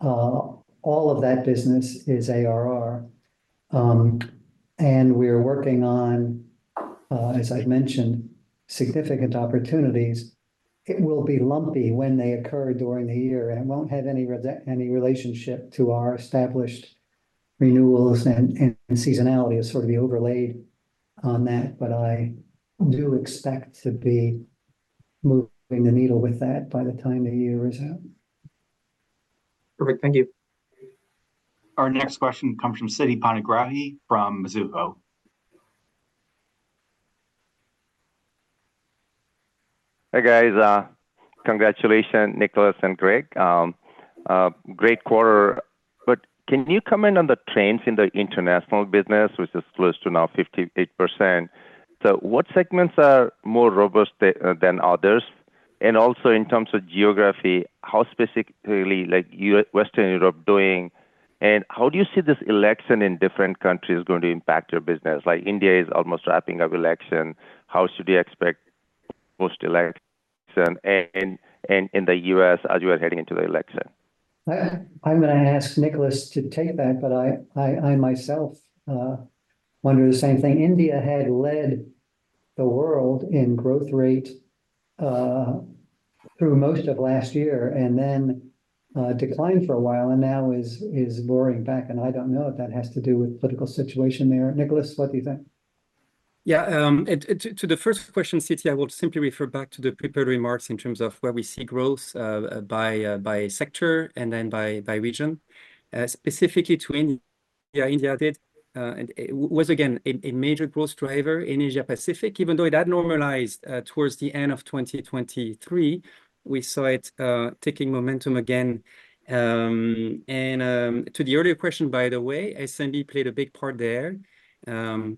Speaker 2: All of that business is ARR. And we are working on, as I've mentioned, significant opportunities. It will be lumpy when they occur during the year, and it won't have any relationship to our established renewals and seasonality of sort of the overlaid on that. But I do expect to be moving the needle with that by the time the year is out.
Speaker 7: Perfect. Thank you.
Speaker 1: Our next question comes from Siti Panigrahi from Mizuho.
Speaker 8: Hey, guys. Congratulations, Nicholas and Greg. Great quarter. But can you comment on the trends in the international business, which is close to now 58%? So what segments are more robust than others? And also, in terms of geography, how specifically is Western Europe doing? And how do you see this election in different countries going to impact your business? India is almost wrapping up election. How should you expect post-election in the U.S. as you are heading into the election?
Speaker 2: I'm going to ask Nicholas to take that, but I myself wonder the same thing. India had led the world in growth rate through most of last year and then declined for a while and now is roaring back. And I don't know if that has to do with the political situation there. Nicholas, what do you think?
Speaker 3: Yeah. To the first question, Siti, I will simply refer back to the prepared remarks in terms of where we see growth by sector and then by region. Specifically to India, India was, again, a major growth driver in Asia-Pacific. Even though it had normalized towards the end of 2023, we saw it taking momentum again. And to the earlier question, by the way, SMB played a big part there. A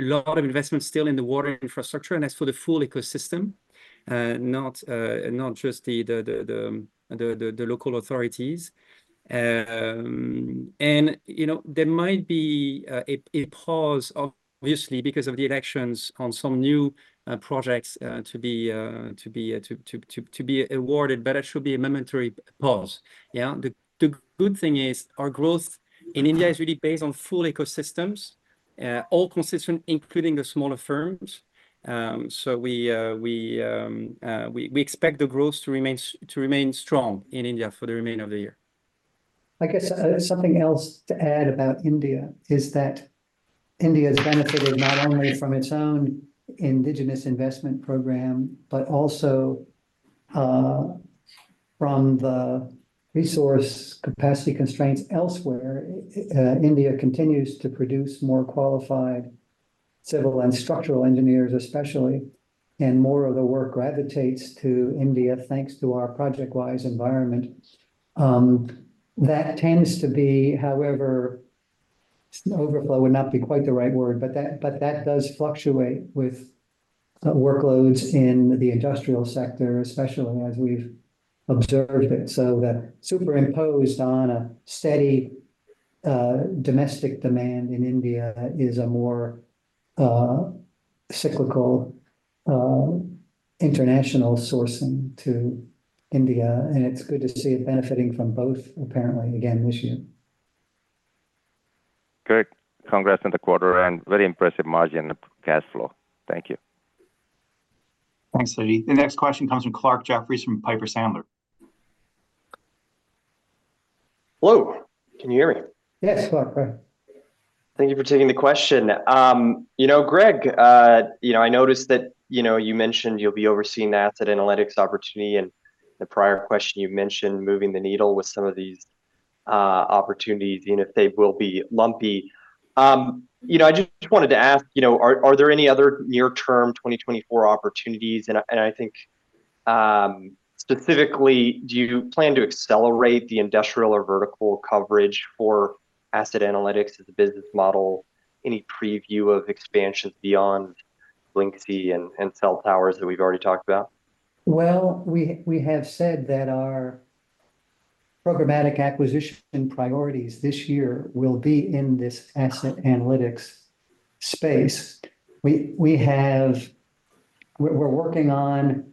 Speaker 3: lot of investment still in the water infrastructure and as for the full ecosystem, not just the local authorities. And there might be a pause, obviously, because of the elections on some new projects to be awarded, but that should be a momentary pause. The good thing is our growth in India is really based on full ecosystems, all consistent, including the smaller firms. So we expect the growth to remain strong in India for the remainder of the year.
Speaker 2: I guess something else to add about India is that India has benefited not only from its own indigenous investment program but also from the resource capacity constraints elsewhere. India continues to produce more qualified civil and structural engineers, especially, and more of the work gravitates to India thanks to our ProjectWise environment. That tends to be however, overflow would not be quite the right word, but that does fluctuate with workloads in the industrial sector, especially as we've observed it. So that superimposed on a steady domestic demand in India is a more cyclical international sourcing to India. It's good to see it benefiting from both, apparently, again this year.
Speaker 8: Great. Congrats on the quarter and very impressive margin cash flow. Thank you.
Speaker 2: Thanks, Siti.
Speaker 1: The next question comes from Clarke Jeffries from Piper Sandler.
Speaker 9: Hello. Can you hear me?
Speaker 2: Yes, Clarke.
Speaker 9: Great. Thank you for taking the question. Greg, I noticed that you mentioned you'll be overseeing the asset analytics opportunity. The prior question, you mentioned moving the needle with some of these opportunities, even if they will be lumpy. I just wanted to ask, are there any other near-term 2024 opportunities? I think specifically, do you plan to accelerate the industrial or vertical coverage for asset analytics as a business model? Any preview of expansions beyond Blyncsy and Cell Towers that we've already talked about?
Speaker 2: Well, we have said that our programmatic acquisition priorities this year will be in this asset analytics space. We're working on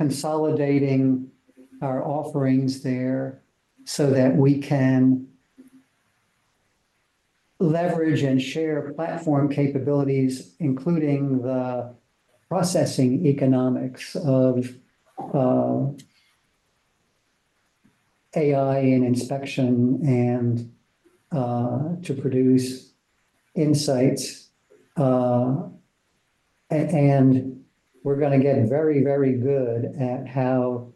Speaker 2: consolidating our offerings there so that we can leverage and share platform capabilities, including the processing economics of AI and inspection to produce insights. We're going to get very, very good at how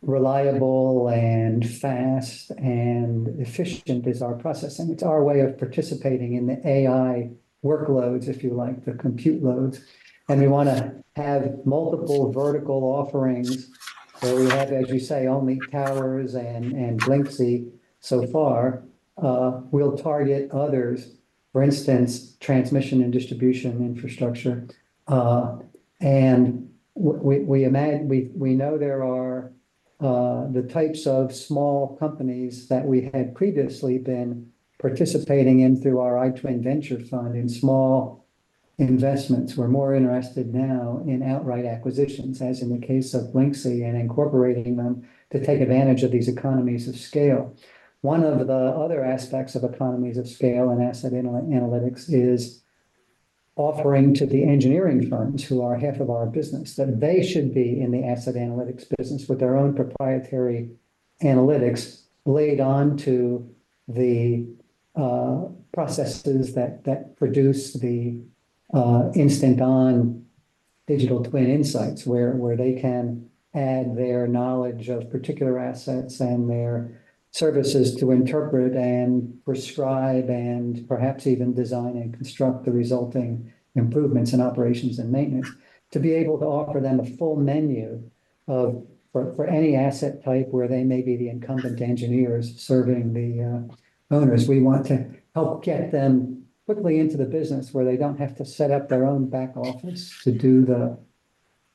Speaker 2: reliable and fast and efficient is our processing. It's our way of participating in the AI workloads, if you like, the compute loads. We want to have multiple vertical offerings where we have, as you say, only OpenTower and Blyncsy so far. We'll target others, for instance, transmission and distribution infrastructure. We know there are the types of small companies that we had previously been participating in through our iTwin Ventures fund in small investments. We're more interested now in outright acquisitions, as in the case of Blyncsy, and incorporating them to take advantage of these economies of scale. One of the other aspects of economies of scale and asset analytics is offering to the engineering firms, who are half of our business, that they should be in the asset analytics business with their own proprietary analytics laid onto the processes that produce the instant-on digital twin insights where they can add their knowledge of particular assets and their services to interpret and prescribe and perhaps even design and construct the resulting improvements in operations and maintenance, to be able to offer them a full menu for any asset type where they may be the incumbent engineers serving the owners. We want to help get them quickly into the business where they don't have to set up their own back office to do the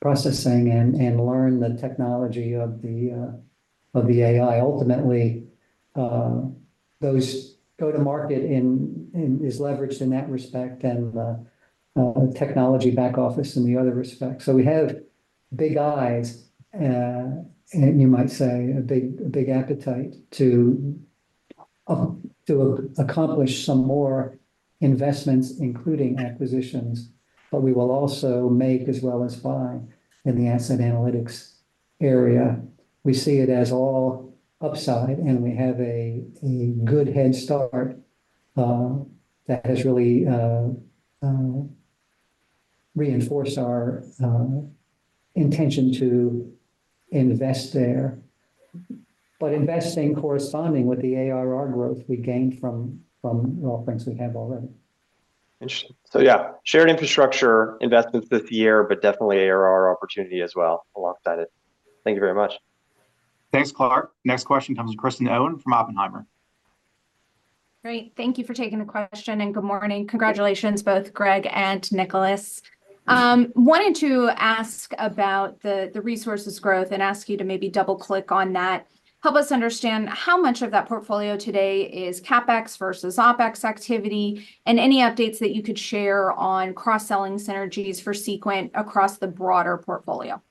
Speaker 2: processing and learn the technology of the AI. Ultimately, those go-to-market is leveraged in that respect and the technology back office in the other respect. So we have big eyes, and you might say, a big appetite to accomplish some more investments, including acquisitions, but we will also make as well as buy in the asset analytics area. We see it as all upside, and we have a good head start that has really reinforced our intention to invest there. But investing corresponding with the ARR growth we gained from the offerings we have already.
Speaker 9: Interesting. So yeah, shared infrastructure investments this year, but definitely ARR opportunity as well alongside it. Thank you very much.
Speaker 1: Thanks, Clarke. Next question comes from Kristen Owen from Oppenheimer.
Speaker 10: Great. Thank you for taking the question, and good morning. Congratulations, both Greg and Nicholas. Wanted to ask about the revenue growth and ask you to maybe double-click on that. Help us understand how much of that portfolio today is CapEx versus OpEx activity and any updates that you could share on cross-selling synergies for Seequent across the broader portfolio.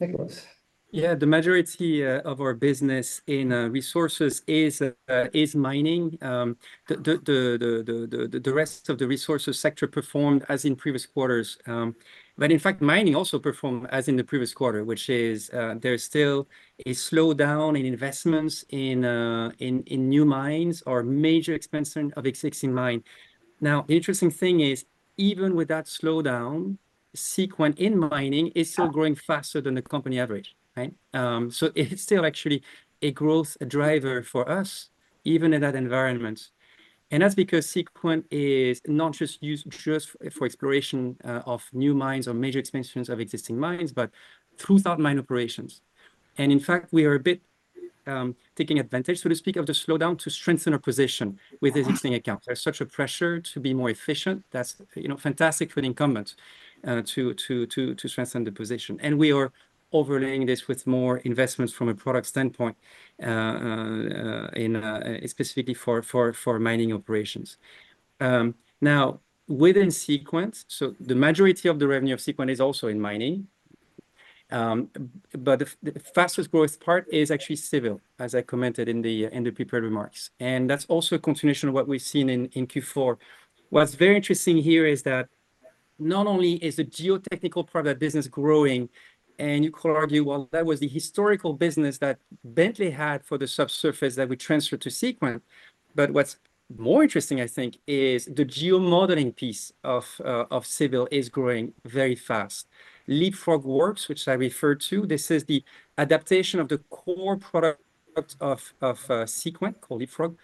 Speaker 2: Nicholas.
Speaker 3: Yeah. The majority of our business in resources is mining. The rest of the resources sector performed as in previous quarters. But in fact, mining also performed as in the previous quarter, which is there's still a slowdown in investments in new mines or major expenses of existing mines. Now, the interesting thing is, even with that slowdown, Seequent in mining is still growing faster than the company average, right? So it's still actually a growth driver for us, even in that environment. And that's because Seequent is not just used for exploration of new mines or major expansions of existing mines, but throughout mine operations. In fact, we are a bit taking advantage, so to speak, of the slowdown to strengthen our position with existing accounts. There's such a pressure to be more efficient. That's fantastic for the incumbents to strengthen the position. We are overlaying this with more investments from a product standpoint, specifically for mining operations. Now, within Seequent, so the majority of the revenue of Seequent is also in mining. But the fastest growth part is actually civil, as I commented in the prepared remarks. And that's also a continuation of what we've seen in Q4. What's very interesting here is that not only is the geotechnical part of that business growing, and you could argue, well, that was the historical business that Bentley had for the subsurface that we transferred to Seequent. But what's more interesting, I think, is the geomodeling piece of civil is growing very fast. Leapfrog Works, which I referred to, this is the adaptation of the core product of Seequent, called Leapfrog,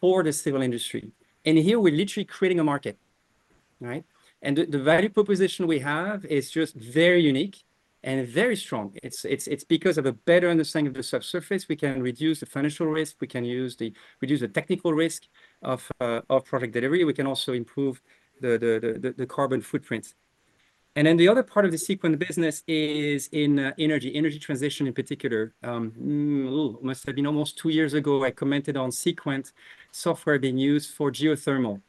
Speaker 3: for the civil industry. And here we're literally creating a market, right? And the value proposition we have is just very unique and very strong. It's because of a better understanding of the subsurface. We can reduce the financial risk. We can reduce the technical risk of project delivery. We can also improve the carbon footprint. And then the other part of the Seequent business is in energy, energy transition in particular. It must have been almost two years ago, I commented on Seequent software being used for geothermal.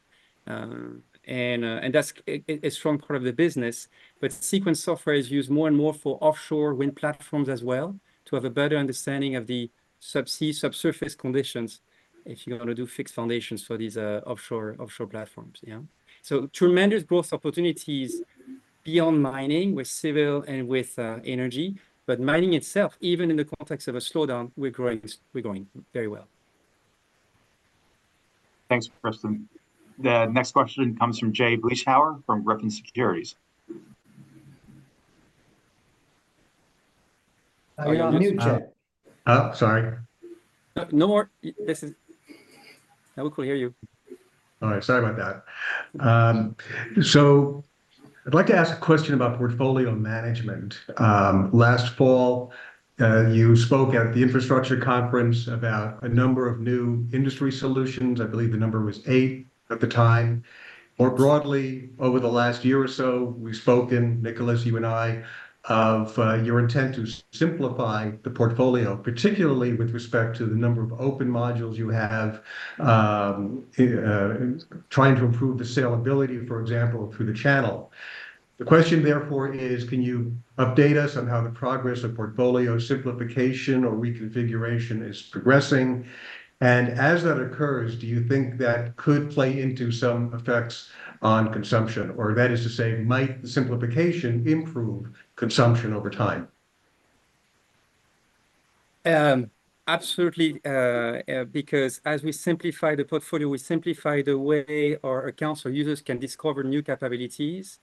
Speaker 3: And that's a strong part of the business. But Seequent software is used more and more for offshore wind platforms as well to have a better understanding of the subsea subsurface conditions if you're going to do fixed foundations for these offshore platforms, yeah? So tremendous growth opportunities beyond mining with civil and with energy. But mining itself, even in the context of a slowdown, we're growing very well.
Speaker 1: Thanks, Kristen. The next question comes from Jay Vleeschhouwer from Griffin Securities.
Speaker 2: Are we on mute, Jay?
Speaker 11: Oh, sorry.
Speaker 2: No more. Now we could hear you.
Speaker 11: All right. Sorry about that. So I'd like to ask a question about portfolio management. Last fall, you spoke at the infrastructure conference about a number of new industry solutions. I believe the number was eight at the time. More broadly, over the last year or so, we've spoken, Nicholas, you and I, of your intent to simplify the portfolio, particularly with respect to the number of open modules you have, trying to improve the salability, for example, through the channel. The question, therefore, is, can you update us on how the progress of portfolio simplification or reconfiguration is progressing? And as that occurs, do you think that could play into some effects on consumption? Or that is to say, might the simplification improve consumption over time?
Speaker 3: Absolutely. Because as we simplify the portfolio, we simplify the way our accounts or users can discover new capabilities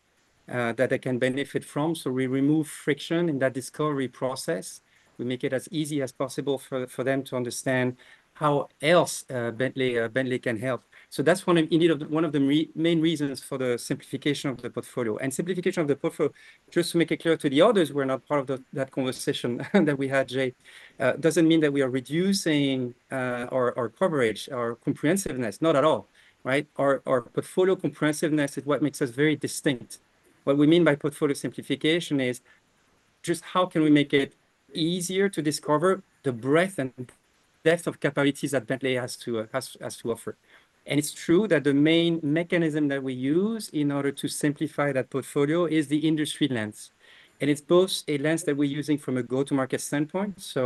Speaker 3: that they can benefit from. So we remove friction in that discovery process. We make it as easy as possible for them to understand how else Bentley can help. So that's one of the main reasons for the simplification of the portfolio. Simplification of the portfolio, just to make it clear to the others who are not part of that conversation that we had, Jay, doesn't mean that we are reducing our coverage, our comprehensiveness. Not at all, right? Our portfolio comprehensiveness is what makes us very distinct. What we mean by portfolio simplification is just how can we make it easier to discover the breadth and depth of capabilities that Bentley has to offer. It's true that the main mechanism that we use in order to simplify that portfolio is the industry lens. It's both a lens that we're using from a go-to-market standpoint. So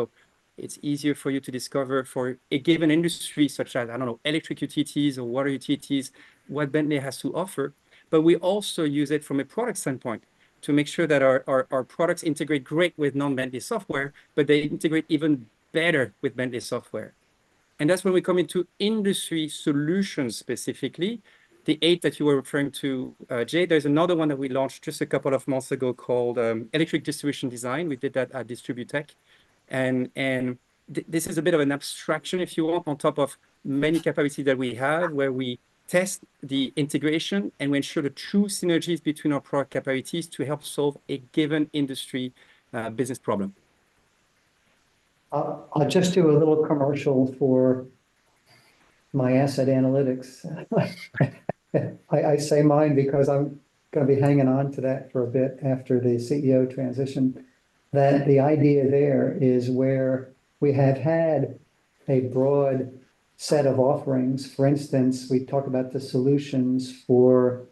Speaker 3: it's easier for you to discover for a given industry such as, I don't know, electric utilities or water utilities, what Bentley has to offer. But we also use it from a product standpoint to make sure that our products integrate great with non-Bentley software, but they integrate even better with Bentley software. And that's when we come into industry solutions specifically. The eight that you were referring to, Jay, there's another one that we launched just a couple of months ago called Electric Distribution Design. We did that at DISTRIBUTECH. And this is a bit of an abstraction, if you want, on top of many capabilities that we have where we test the integration and we ensure the true synergies between our product capabilities to help solve a given industry business problem.
Speaker 2: I'll just do a little commercial for my asset analytics. I say mine because I'm going to be hanging on to that for a bit after the CEO transition. The idea there is where we have had a broad set of offerings. For instance, we talk about the solutions for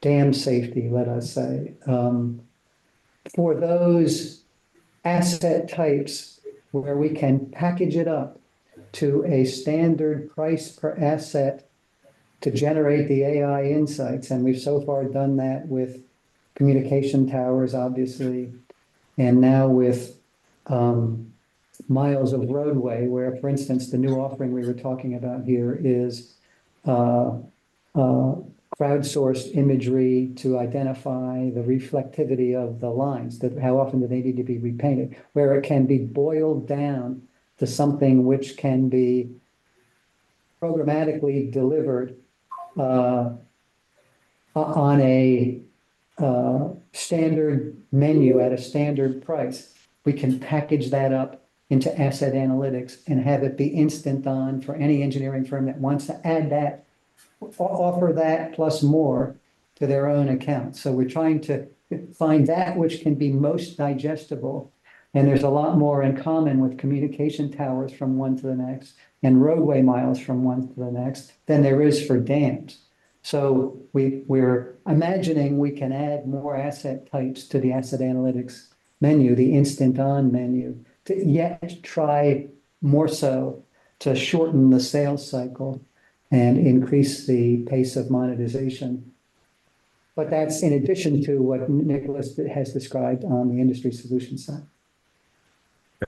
Speaker 2: dam safety, let us say. For those asset types where we can package it up to a standard price per asset to generate the AI insights. We've so far done that with communication towers, obviously, and now with miles of roadway where, for instance, the new offering we were talking about here is crowdsourced imagery to identify the reflectivity of the lines, how often do they need to be repainted, where it can be boiled down to something which can be programmatically delivered on a standard menu at a standard price. We can package that up into asset analytics and have it be instant-on for any engineering firm that wants to add that, offer that plus more to their own accounts. We're trying to find that which can be most digestible. There's a lot more in common with communication towers from one to the next and roadway miles from one to the next than there is for dams. We're imagining we can add more asset types to the asset analytics menu, the instant-on menu, to yet try more so to shorten the sales cycle and increase the pace of monetization. That's in addition to what Nicholas has described on the industry solution side.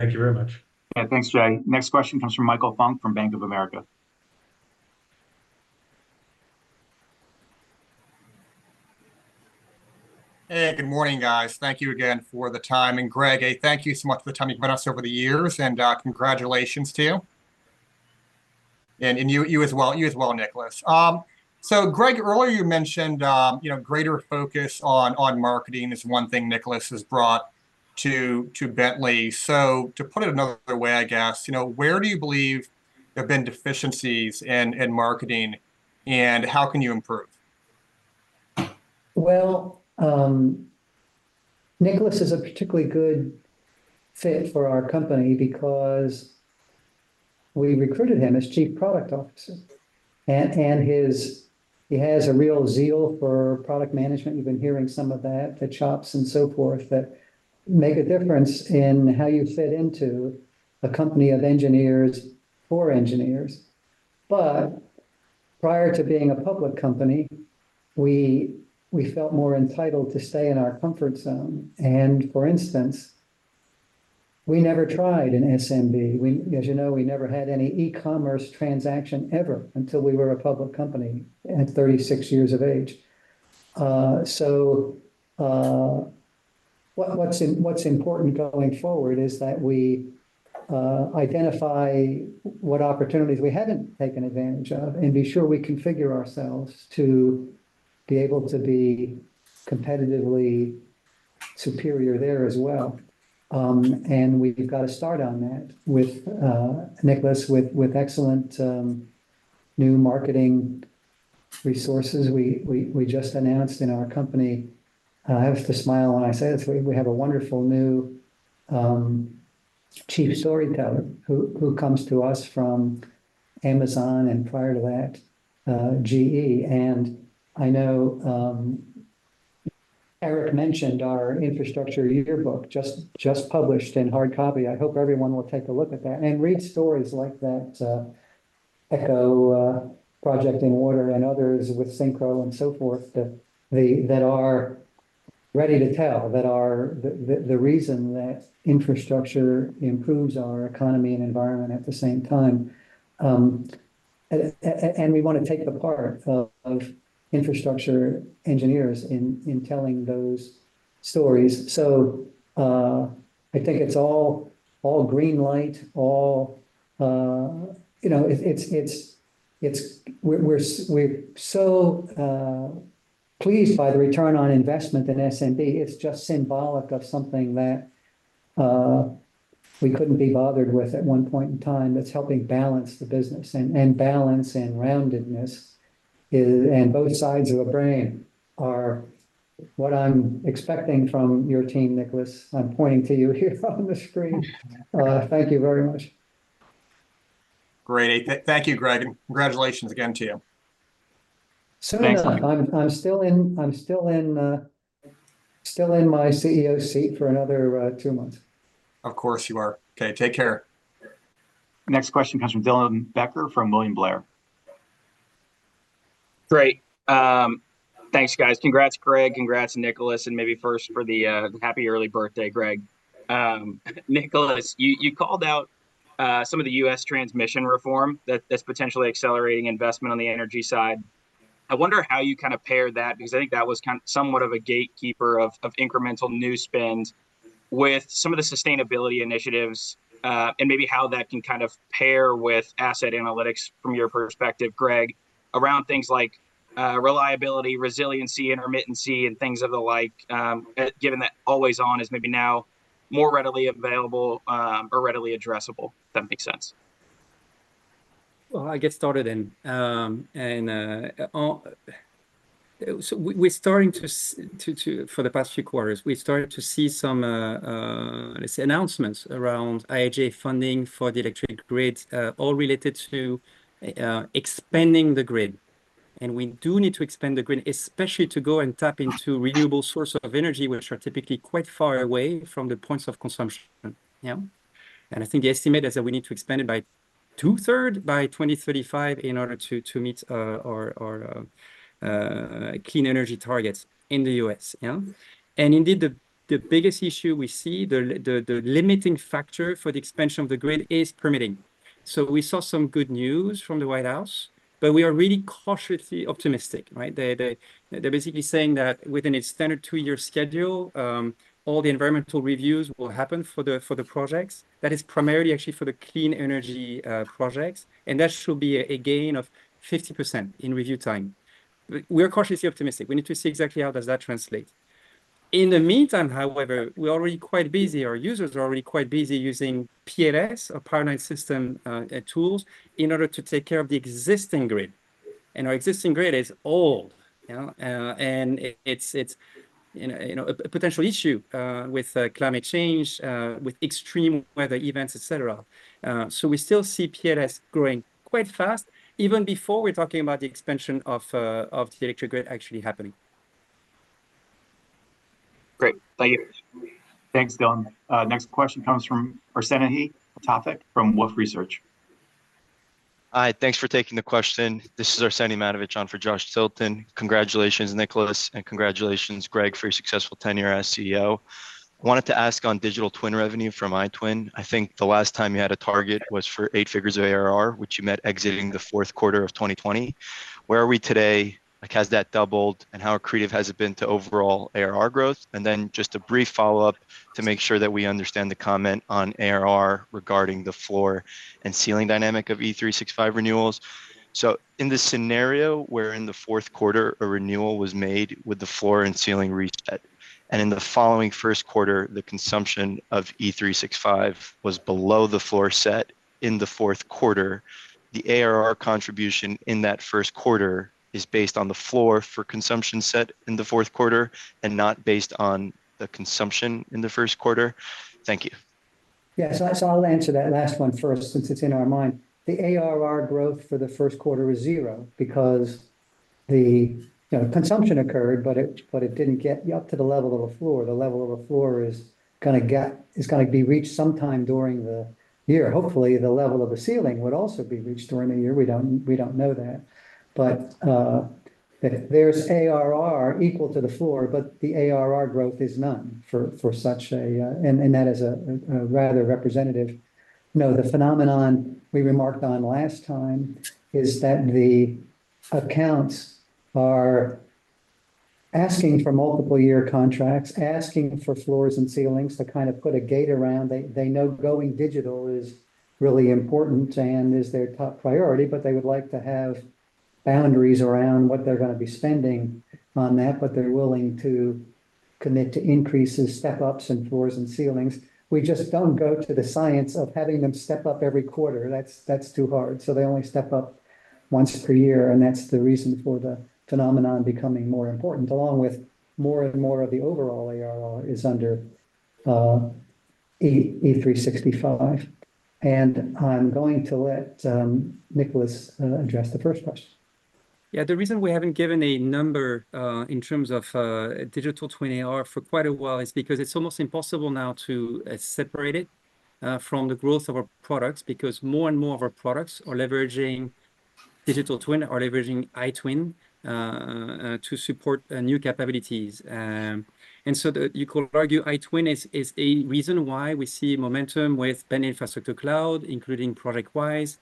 Speaker 11: Thank you very much.
Speaker 1: Yeah, thanks, Jay. Next question comes from Michael Funk from Bank of America.
Speaker 12: Hey, good morning, guys. Thank you again for the time. And Greg, thank you so much for the time you've been with us over the years, and congratulations to you. And you as well, Nicholas. So Greg, earlier you mentioned greater focus on marketing is one thing Nicholas has brought to Bentley.So to put it another way, I guess, where do you believe there have been deficiencies in marketing, and how can you improve?
Speaker 2: Well, Nicholas is a particularly good fit for our company because we recruited him as chief product officer. He has a real zeal for product management. You've been hearing some of that, the chops and so forth, that make a difference in how you fit into a company of engineers for engineers. But prior to being a public company, we felt more entitled to stay in our comfort zone. For instance, we never tried an SMB. As you know, we never had any e-commerce transaction ever until we were a public company at 36 years of age. So what's important going forward is that we identify what opportunities we haven't taken advantage of and be sure we configure ourselves to be able to be competitively superior there as well. And we've got to start on that with Nicholas, with excellent new marketing resources we just announced in our company. I have to smile when I say this. We have a wonderful new chief storyteller who comes to us from Amazon and prior to that, GE. And I know Eric mentioned our infrastructure yearbook just published in hard copy. I hope everyone will take a look at that and read stories like that, EchoWater and others with SYNCHRO and so forth that are ready to tell, that are the reason that infrastructure improves our economy and environment at the same time. And we want to take the part of infrastructure engineers in telling those stories. So, I think it's all green light. All we're so pleased by the return on investment in SMB. It's just symbolic of something that we couldn't be bothered with at one point in time that's helping balance the business. Balance and roundedness and both sides of a brain are what I'm expecting from your team, Nicholas. I'm pointing to you here on the screen. Thank you very much. Great. Thank you, Greg. And congratulations again to you. So nice. I'm still in my CEO seat for another two months.
Speaker 12: Of course you are. Okay. Take care.
Speaker 1: Next question comes from Dylan Becker from William Blair.
Speaker 13: Great. Thanks, guys. Congrats, Greg. Congrats, Nicholas. And maybe first for the happy early birthday, Greg. Nicholas, you called out some of the U.S. transmission reform that's potentially accelerating investment on the energy side. I wonder how you kind of pair that because I think that was somewhat of a gatekeeper of incremental new spend with some of the sustainability initiatives and maybe how that can kind of pair with asset analytics from your perspective, Greg, around things like reliability, resiliency, intermittency, and things of the like, given that always-on is maybe now more readily available or readily addressable, if that makes sense.
Speaker 3: Well, I'll get started then. So for the past few quarters, we've started to see some, let's say, announcements around IIJA funding for the electric grid, all related to expanding the grid. And we do need to expand the grid, especially to go and tap into renewable sources of energy, which are typically quite far away from the points of consumption, yeah? I think the estimate is that we need to expand it by two-thirds by 2035 in order to meet our clean energy targets in the U.S., yeah? And indeed, the biggest issue we see, the limiting factor for the expansion of the grid is permitting. So we saw some good news from the White House, but we are really cautiously optimistic, right? They're basically saying that within its standard two-year schedule, all the environmental reviews will happen for the projects. That is primarily actually for the clean energy projects. And that should be a gain of 50% in review time. We are cautiously optimistic. We need to see exactly how does that translate. In the meantime, however, we're already quite busy. Our users are already quite busy using PLS, or Power Line Systems tools, in order to take care of the existing grid. And our existing grid is old, yeah? It's a potential issue with climate change, with extreme weather events, etc. So we still see PLS growing quite fast, even before we're talking about the expansion of the electric grid actually happening.
Speaker 13: Great. Thank you.
Speaker 1: Thanks, Dylan. Next question comes from Arsenije Matovic from Wolfe Research.
Speaker 14: Hi. Thanks for taking the question. This is Arsenije Matovic on for Joshua Tilton. Congratulations, Nicholas. And congratulations, Greg, for your successful tenure as CEO. I wanted to ask on digital twin revenue from iTwin. I think the last time you had a target was for eight figures of ARR, which you met exiting the fourth quarter of 2020. Where are we today? Has that doubled? And how accretive has it been to overall ARR growth? And then just a brief follow-up to make sure that we understand the comment on ARR regarding the floor and ceiling dynamic of E365 renewals. So in the scenario where in the fourth quarter a renewal was made with the floor and ceiling reset, and in the following first quarter, the consumption of E365 was below the floor set in the fourth quarter, the ARR contribution in that first quarter is based on the floor for consumption set in the fourth quarter and not based on the consumption in the first quarter. Thank you.
Speaker 2: Yeah. So I'll answer that last one first since it's in our mind. The ARR growth for the first quarter was zero because the consumption occurred, but it didn't get up to the level of the floor. The level of the floor is going to be reached sometime during the year. Hopefully, the level of the ceiling would also be reached during the year. We don't know that. But there's ARR equal to the floor, but the ARR growth is none for such a and that is rather representative. No, the phenomenon we remarked on last time is that the accounts are asking for multiple-year contracts, asking for floors and ceilings to kind of put a gate around. They know going digital is really important and is their top priority, but they would like to have boundaries around what they're going to be spending on that, but they're willing to commit to increases, step-ups, and floors and ceilings. We just don't go to the science of having them step up every quarter. That's too hard. So they only step up once per year, and that's the reason for the phenomenon becoming more important, along with more and more of the overall ARR is under E365. And I'm going to let Nicholas address the first question.
Speaker 3: Yeah. The reason we haven't given a number in terms of digital twin ARR for quite a while is because it's almost impossible now to separate it from the growth of our products because more and more of our products are leveraging digital twin, are leveraging iTwin to support new capabilities. And so you could argue iTwin is a reason why we see momentum with Bentley Infrastructure Cloud, including ProjectWise,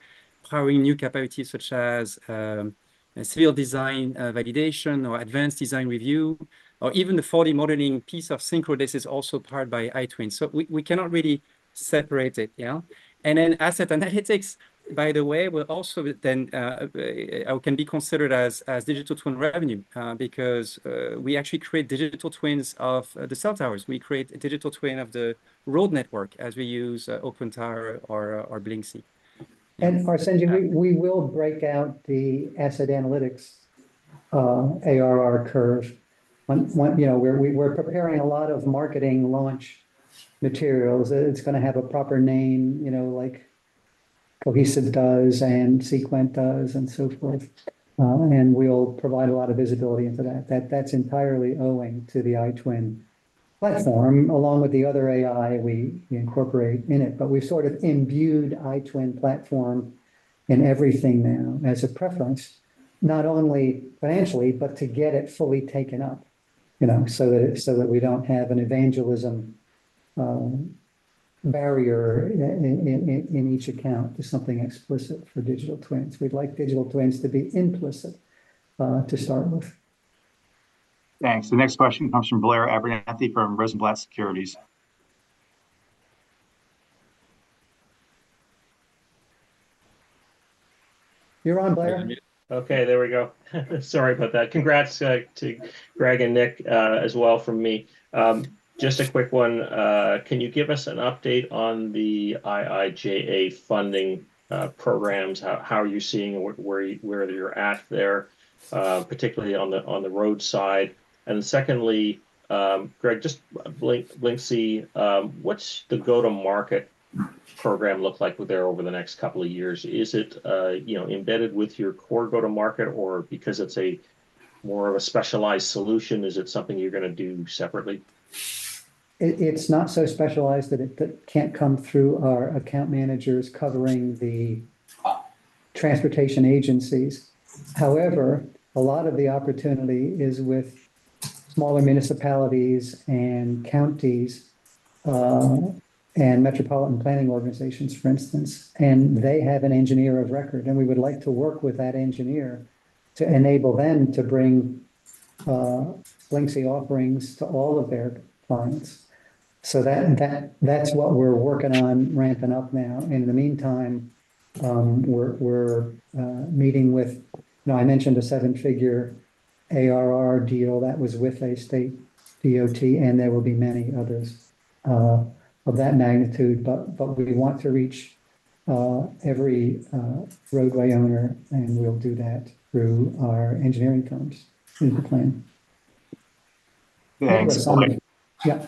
Speaker 3: powering new capabilities such as civil design validation or advanced design review, or even the 4D modeling piece of SYNCHRO. This is also powered by iTwin. So we cannot really separate it, yeah? And then asset analytics, by the way, will also then can be considered as digital twin revenue because we actually create digital twins of the cell towers. We create a digital twin of the road network as we use OpenTower or Blyncsy.
Speaker 2: Arsenije, we will break out the asset analytics ARR curve. We're preparing a lot of marketing launch materials. It's going to have a proper name, like Cohesive does and Seequent does and so forth. We'll provide a lot of visibility into that. That's entirely owing to the iTwin platform, along with the other AI we incorporate in it. But we've sort of imbued iTwin platform in everything now as a preference, not only financially, but to get it fully taken up so that we don't have an evangelism barrier in each account to something explicit for digital twins. We'd like digital twins to be implicit to start with.
Speaker 14: Thanks.
Speaker 1: The next question comes from Blair Abernathy from Rosenblatt Securities.
Speaker 2: You're on, Blair.
Speaker 15: Okay. There we go. Sorry about that. Congrats to Greg and Nick as well from me. Just a quick one. Can you give us an update on the IIJA funding programs? How are you seeing where you're at there, particularly on the roadside? And secondly, Greg, just Blyncsy, what's the go-to-market program look like there over the next couple of years? Is it embedded with your core go-to-market, or because it's more of a specialized solution, is it something you're going to do separately?
Speaker 2: It's not so specialized that it can't come through our account managers covering the transportation agencies. However, a lot of the opportunity is with smaller municipalities and counties and metropolitan planning organizations, for instance. And they have an engineer of record, and we would like to work with that engineer to enable them to bring Blyncsy offerings to all of their clients. So that's what we're working on ramping up now. And in the meantime, we're meeting with. I mentioned a seven-figure ARR deal that was with a state DOT, and there will be many others of that magnitude. But we want to reach every roadway owner, and we'll do that through our engineering firms through the plan.
Speaker 15: Thanks.
Speaker 2: Yeah.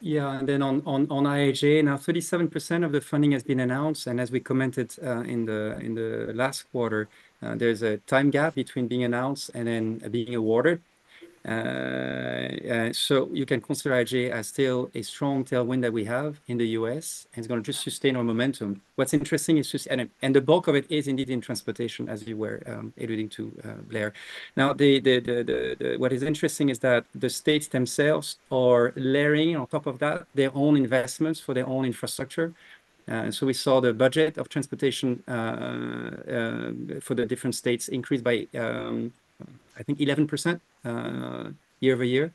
Speaker 3: Yeah. And then on IIJA, now 37% of the funding has been announced. And as we commented in the last quarter, there's a time gap between being announced and then being awarded. So you can consider IIJA as still a strong tailwind that we have in the US, and it's going to just sustain our momentum. What's interesting is just and the bulk of it is indeed in transportation, as you were alluding to, Blair. Now, what is interesting is that the states themselves are layering on top of that their own investments for their own infrastructure. So we saw the budget of transportation for the different states increase by, I think, 11% year-over-year.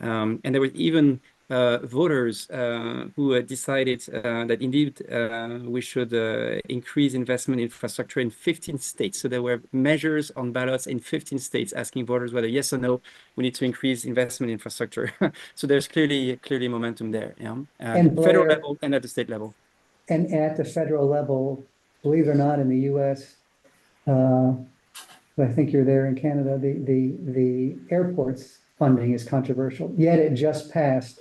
Speaker 3: There were even voters who decided that indeed we should increase investment infrastructure in 15 states. So there were measures on ballots in 15 states asking voters whether, yes or no, we need to increase investment infrastructure. So there's clearly momentum there, yeah? And federal level and at the state level.
Speaker 2: And at the federal level, believe it or not, in the U.S., I think you're there in Canada, the airports funding is controversial. Yet it just passed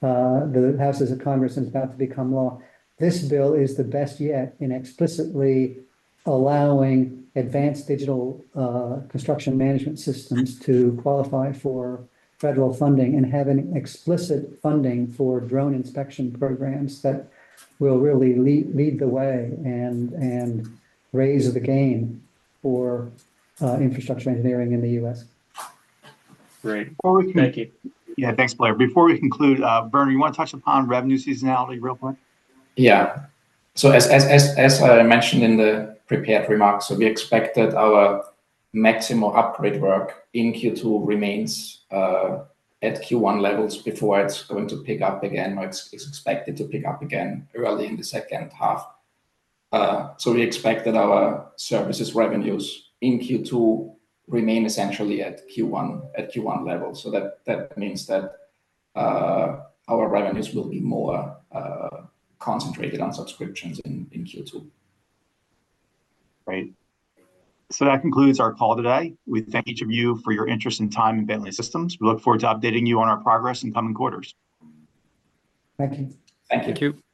Speaker 2: the Houses of Congress and is about to become law. This bill is the best yet in explicitly allowing advanced digital construction management systems to qualify for federal funding and having explicit funding for drone inspection programs that will really lead the way and raise the game for infrastructure engineering in the U.S.
Speaker 15: Great.
Speaker 1: Before we conclude. Thank you. Yeah. Thanks, Blair. Before we conclude, Werner, you want to touch upon revenue seasonality real quick
Speaker 4: Yeah. So as I mentioned in the prepared remarks, so we expected our Maximo upgrade work in Q2 remains at Q1 levels before it's going to pick up again or is expected to pick up again early in the second half. So we expected our services revenues in Q2 remain essentially at Q1 level. So that means that our revenues will be more concentrated on subscriptions in Q2.
Speaker 1: Great. So that concludes our call today. We thank each of you for your interest and time in Bentley Systems. We look forward to updating you on our progress in coming quarters.
Speaker 2: Thank you.
Speaker 1: Thank you.